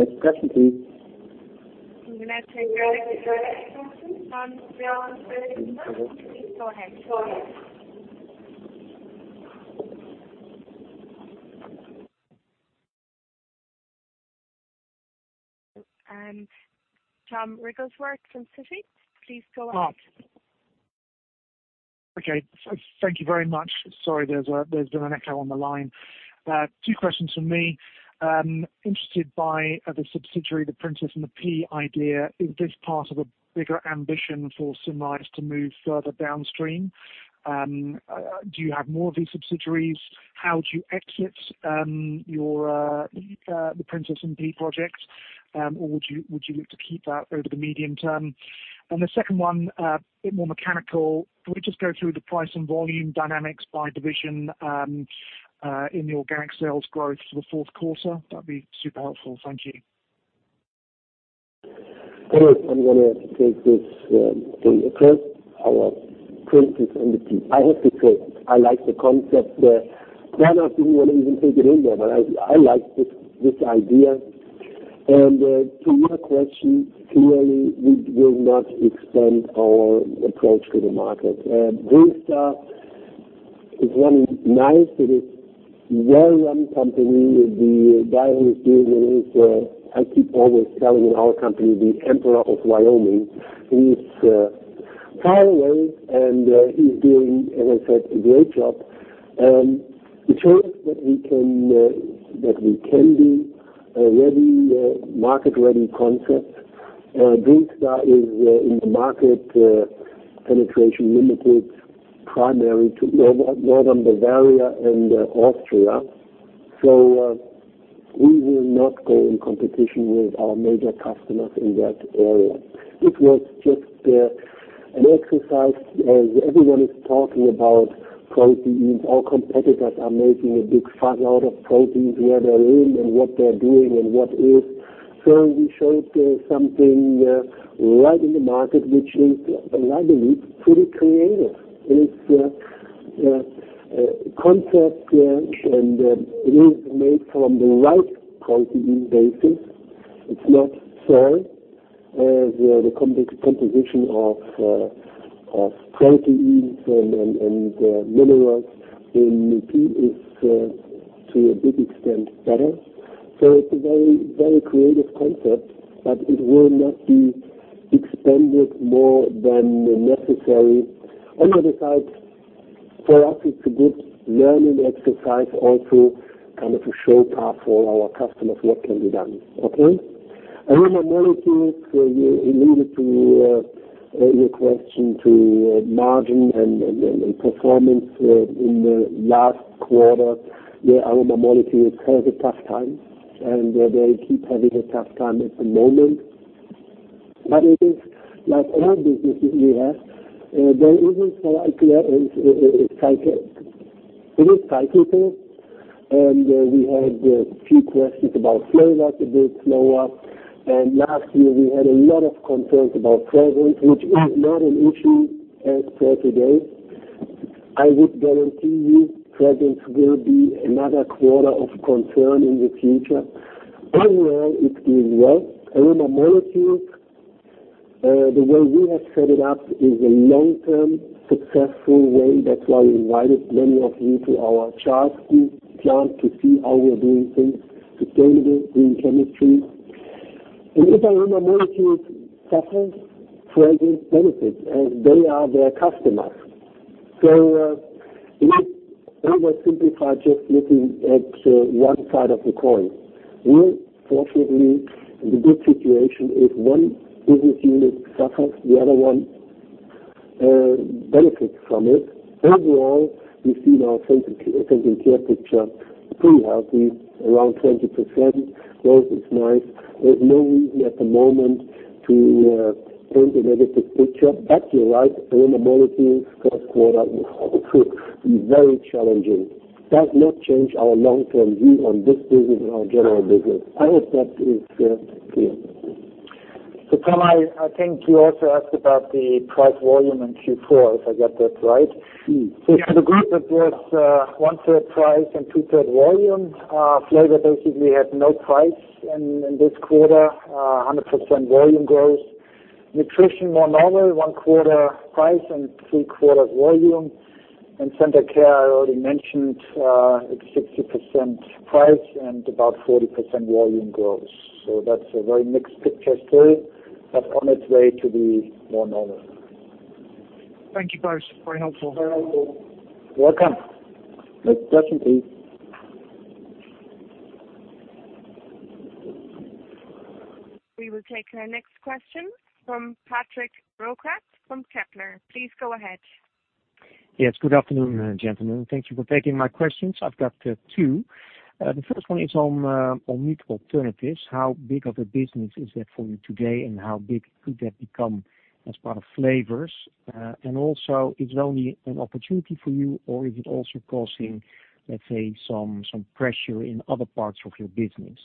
Next question, please. Tom Wrigglesworth from Citi, please go ahead. Okay. Thank you very much. Sorry, there's been an echo on the line. Two questions from me. Interested by the subsidiary, the Princess and the Pea idea. Is this part of a bigger ambition for Symrise to move further downstream? Do you have more of these subsidiaries? How do you exit the Princess and the Pea project? Would you look to keep that over the medium term? The second one, a bit more mechanical. Can we just go through the price and volume dynamics by division in the organic sales growth for the fourth quarter? That'd be super helpful. Thank you. First, I'm going to take this thing across our Princess and the Pea. I have to say, I like the concept. Bernard didn't want to even take it in there. I like this idea. To your question, clearly, we will not expand our approach to the market. DrinkStar is running nice. It is well-run company. The guy who is doing it is, I keep always telling in our company, the emperor of Wyoming, who is far away, and he's doing, as I said, a great job. It shows that we can be a market-ready concept. DrinkStar is in the market penetration limited primary to Northern Bavaria and Austria. We will not go in competition with our major customers in that area. It was just an exercise as everyone is talking about protein. All competitors are making a big fuss out of proteins, where they're in and what they're doing and what if. We showed something right in the market, which is, I believe, pretty creative. It is a concept, and it is made from the right protein bean basis. It's not soy. The composition of protein and minerals in pea is to a big extent better. It's a very creative concept, but it will not be expanded more than necessary. On the other side, for us, it's a good learning exercise, also kind of a show path for our customers what can be done. Okay? Aroma molecules, you alluded to your question to margin and performance in the last quarter. Yeah, aroma molecules had a tough time, and they keep having a tough time at the moment. It is like all businesses we have, there is a cyclical. It is cyclical. We had a few questions about Flavor, a bit slower. Last year we had a lot of concerns about Fragrance, which is not an issue as per today. I would guarantee you, Fragrance will be another quarter of concern in the future. Overall, it's doing well. Aroma molecules, the way we have set it up is a long-term successful way. That's why we invited many of you to our Charleston plant, to see how we are doing things, sustainable green chemistry. If aroma molecules suffers, Fragrance benefits as they are their customers. It was simplified just looking at one side of the coin. We're fortunately in the good situation if one business unit suffers, the other one benefits from it. Overall, we see our Scent and Care picture pretty healthy, around 20% growth is nice. There's no reason at the moment to paint a negative picture. You're right, aroma molecules first quarter will be very challenging. Does not change our long-term view on this business and our general business. I hope that is clear. Tom, I think you also asked about the price volume in Q4, if I got that right. Yes. For the group, it was one-third price and two-third volume. Flavor basically had no price in this quarter, 100% volume growth. Nutrition, more normal, one quarter price and three quarter volume. Scent & Care, I already mentioned, it's 60% price and about 40% volume growth. That's a very mixed picture still, but on its way to be more normal. Thank you both. Very helpful. You're welcome. Next question please.. We will take our next question from Patrick Roquas from Kepler. Please go ahead. Yes, good afternoon, gentlemen. Thank you for taking my questions. I've got two. The first one is on meat alternatives. How big of a business is that for you today, and how big could that become as part of Flavors? Also, is it only an opportunity for you or is it also causing, let's say, some pressure in other parts of your business?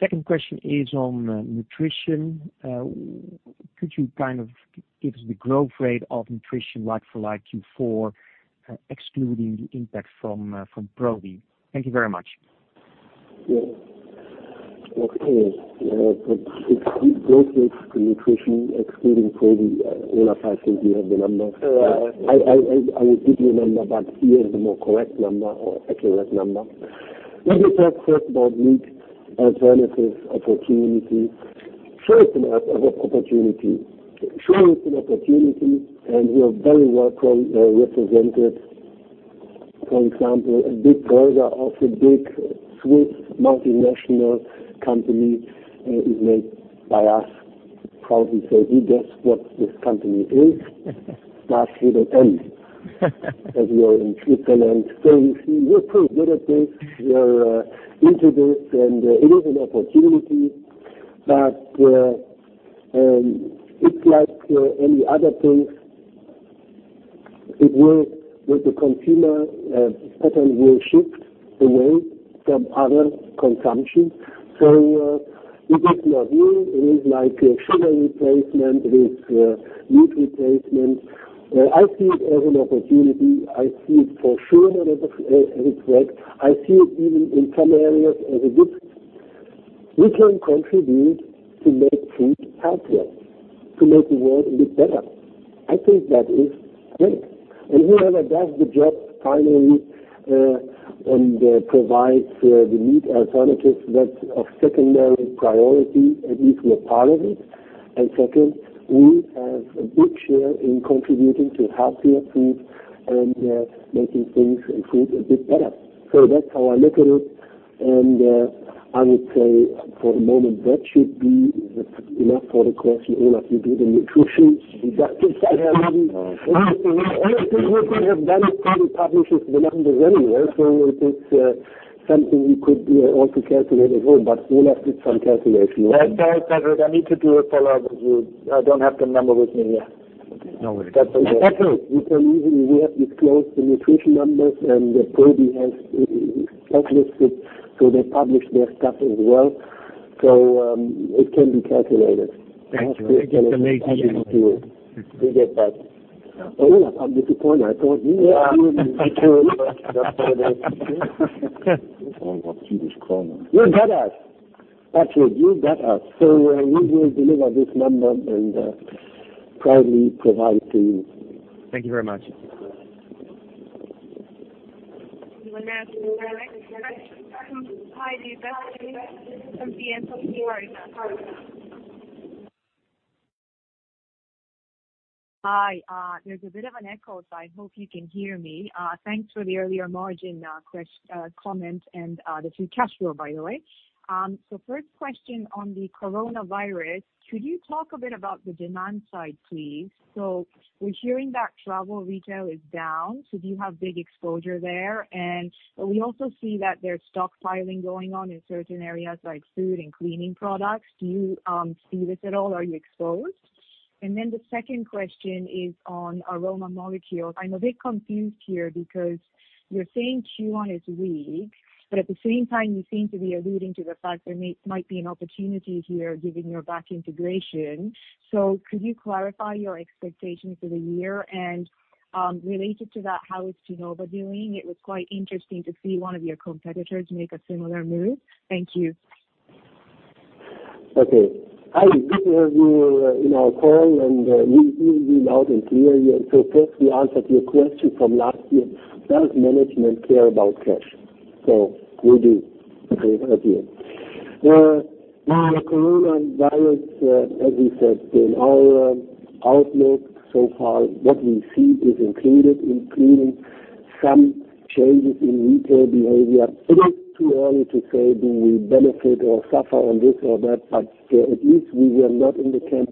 Second question is on Nutrition. Could you give us the growth rate of Nutrition like for like Q4, excluding the impact from Probi? Thank you very much. Yeah. Okay. Growth rate for Nutrition, excluding Probi, Olaf, I think you have the number. Yeah. I will give you a number, but he has the more correct number or accurate number. When you talk first about meat alternatives opportunity. Sure, it's an opportunity. We are very well represented. For example, a big burger of a big Swiss multinational company is made by us. Probably say you guess what this company is, that's with an N, as we are in Switzerland. You see, we're pretty good at this. We are into this, and it is an opportunity. It's like any other things, it will, with the consumer pattern will shift away from other consumption. It is my view with sugar replacement, with meat replacement, I see it as an opportunity. I see it for sure as it works. I see it even in some areas as a good. We can contribute to make food healthier, to make the world a bit better. I think that is great. Whoever does the job finally and provides the meat alternatives, that's of secondary priority, at least we are part of it. Second, we have a good share in contributing to healthier food and making things and food a bit better. That's how I look at it, and I would say for the moment, that should be enough for the question. Olaf, you do the Nutrition. We got Probi. Olaf will probably have done it, probably publishes the numbers anyway, so it is something we could also calculate at home, but Olaf did some calculation. Sorry, Patrick, I need to do a follow-up with you. I don't have the number with me here. No worries. That's okay. We have disclosed the Nutrition numbers, and Probi has listed, so they publish their stuff as well. It can be calculated. Thank you. We get that. Olaf, I'm disappointed. I thought you would be secure enough for this. You got us. Actually, you got us. We will deliver this number and probably provide it to you. Thank you very much. We will now move to our next question from Heidi Begley from BNP Paribas. Hi. There's a bit of an echo, so I hope you can hear me. Thanks for the earlier margin comment and the free cash flow, by the way. First question on the coronavirus. Could you talk a bit about the demand side, please? We're hearing that travel retail is down, so do you have big exposure there? We also see that there's stockpiling going on in certain areas like food and cleaning products. Do you see this at all? Are you exposed? The second question is on aroma molecules. I'm a bit confused here because you're saying Q1 is weak, but at the same time, you seem to be alluding to the fact there might be an opportunity here given your backward integration. Could you clarify your expectations for the year? Related to that, how is Givaudan doing? It was quite interesting to see one of your competitors make a similar move. Thank you. Okay. Heidi, good to have you in our call, and we will be loud and clear here. First, we answered your question from last year. Does management care about cash? We do. Okay, Heidi. Now, the coronavirus, as we said, in our outlook so far, what we see is included, including some changes in retail behavior. It is too early to say do we benefit or suffer on this or that, but at least we were not in the camp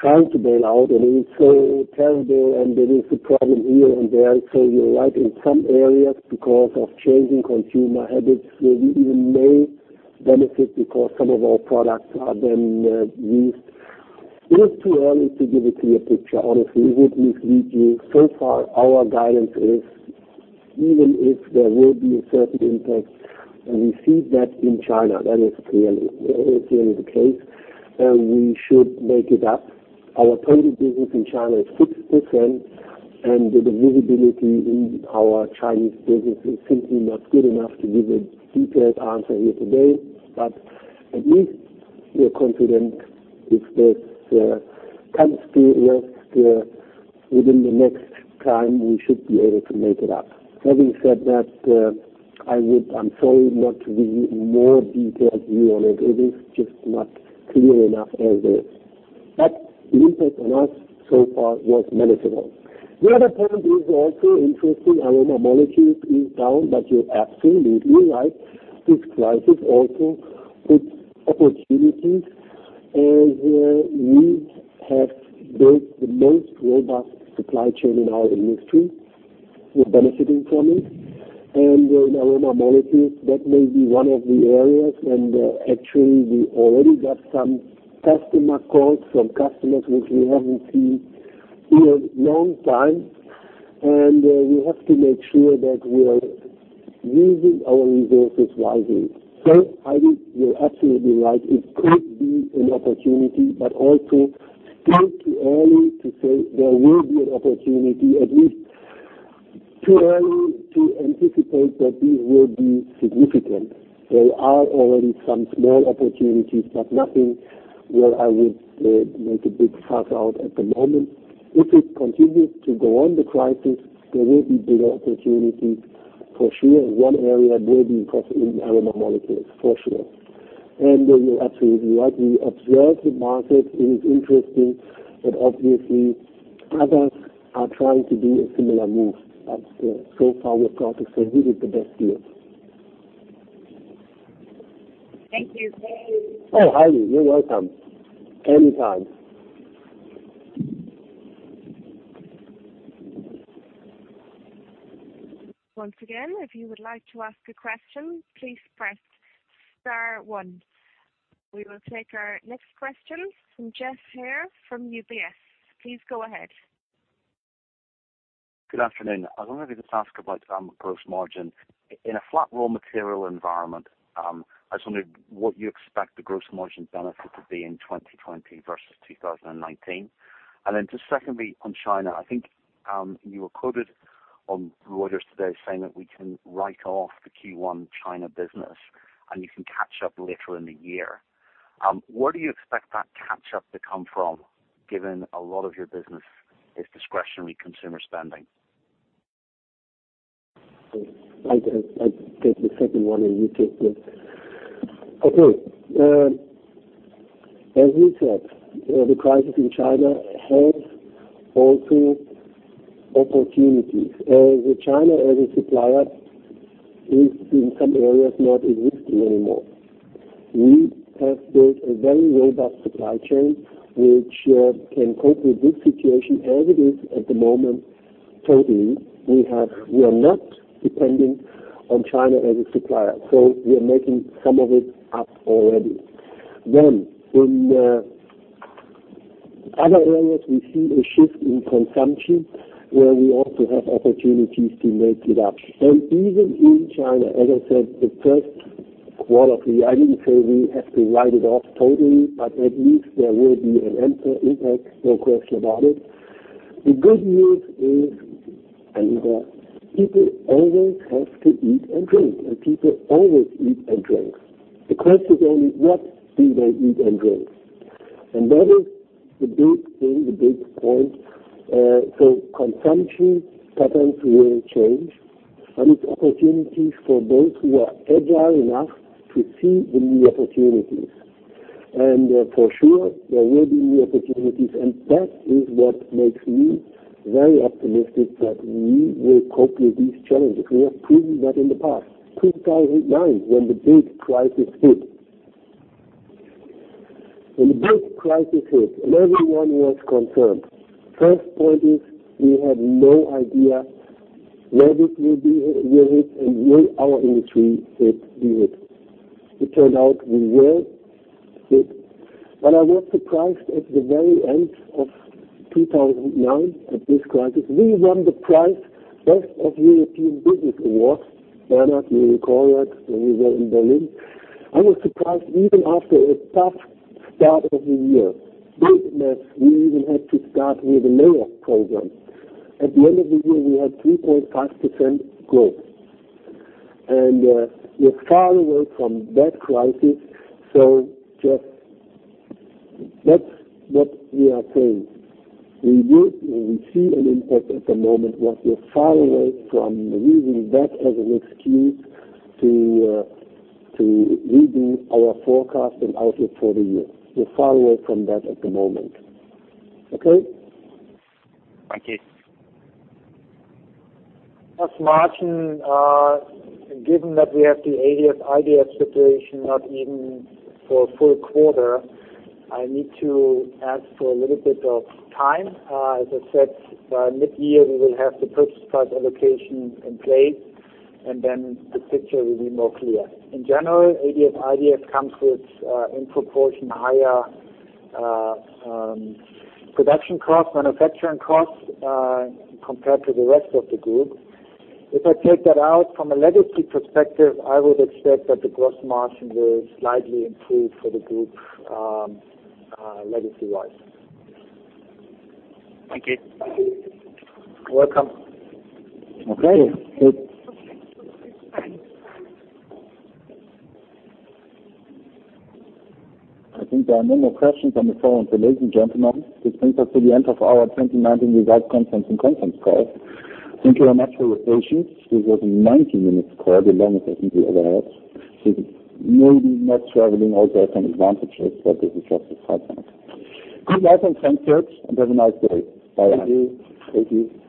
just trying to bail out. It is so terrible, and there is a problem here and there. You're right, in some areas, because of changing consumer habits, we even may benefit because some of our products are then used. It is too early to give a clear picture, honestly. It would mislead you. Our guidance is, even if there will be a certain impact, and we see that in China, that is clearly the case, we should make it up. Our total business in China is 6%, and the visibility in our Chinese business is simply not good enough to give a detailed answer here today. At least we are confident if that comes to rest within the next time, we should be able to make it up. Having said that, I'm sorry not to give you a more detailed view on it. It is just not clear enough as is. The impact on us so far was manageable. The other point is also interesting aroma molecules is down, but you're absolutely right. This crisis also puts opportunities, and we have built the most robust supply chain in our industry. We're benefiting from it. In aroma molecules, that may be one of the areas, actually, we already got some customer calls from customers which we haven't seen in a long time, we have to make sure that we are using our resources wisely. Heidi, you're absolutely right. It could be an opportunity, but also still too early to say there will be an opportunity, at least too early to anticipate that this will be significant. There are already some small opportunities, but nothing where I would make a big fuss out at the moment. If it continues to go on, the crisis, there will be bigger opportunities for sure. One area may be, of course, in aroma molecules for sure. You're absolutely right. We observe the market. It is interesting, but obviously, others are trying to do a similar move, but so far, we're proud to say this is the best deal. Thank you. Oh, Heidi, you're welcome. Anytime. Once again, if you would like to ask a question, please press star one. We will take our next question from Geoff Haire from UBS. Please go ahead. Good afternoon. I was wondering if I could ask about gross margin. In a flat raw material environment, I just wondered what you expect the gross margin benefit to be in 2020 versus 2019. Just secondly, on China, I think you were quoted on Reuters today saying that we can write off the Q1 China business and you can catch up later in the year. Where do you expect that catch-up to come from, given a lot of your business is discretionary consumer spending? I'll take the second one, you take- okay. As we said, the crisis in China has also opportunities. China as a supplier is in some areas not existing anymore. We have built a very robust supply chain which can cope with this situation as it is at the moment totally. We are not dependent on China as a supplier. We are making some of it up already. In other areas, we see a shift in consumption where we also have opportunities to make it up. Even in China, as I said, the first quarter, I didn't say we have to write it off totally, but at least there will be an impact, no question about it. The good news is, people always have to eat and drink, people always eat and drink. The question is only what do they eat and drink? That is the big thing, the big point. Consumption patterns will change, and it's opportunities for those who are agile enough to see the new opportunities. For sure, there will be new opportunities, and that is what makes me very optimistic that we will cope with these challenges. We have proven that in the past. 2009, when the big crisis hit. When the big crisis hit and everyone was concerned, first point is we had no idea where this will be a hit and will our industry be hit? It turned out we were hit, but I was surprised at the very end of 2009 at this crisis. We won the prize Best of European Business Awards. Bernard, you recall that when we were in Berlin. I was surprised even after a tough start of the year. Business, we even had to start with a layoff program. At the end of the year, we had 3.5% growth, and we're far away from that crisis. That's what we are saying. We see an impact at the moment, but we're far away from using that as an excuse to redo our forecast and outlook for the year. We're far away from that at the moment. Okay? Thank you. As margin, given that we have the ADF/IDF situation not even for a full quarter, I need to ask for a little bit of time. As I said, mid-year, we will have the purchase price allocation in place, and then the picture will be more clear. In general, ADF/IDF comes with in proportion higher production costs, manufacturing costs, compared to the rest of the group. If I take that out from a legacy perspective, I would expect that the gross margin will slightly improve for the group, legacy-wise. Thank you. You're welcome. Okay. I think there are no more questions on the phone. Ladies and gentlemen, this brings us to the end of our 2019 results conference and conference call. Thank you very much for your patience. This was a 90 minutes call, the longest I think we ever had. Maybe not traveling also has some advantages, but this is just a side comment. Good night and thanks, Geoff, and have a nice day. Bye. Thank you.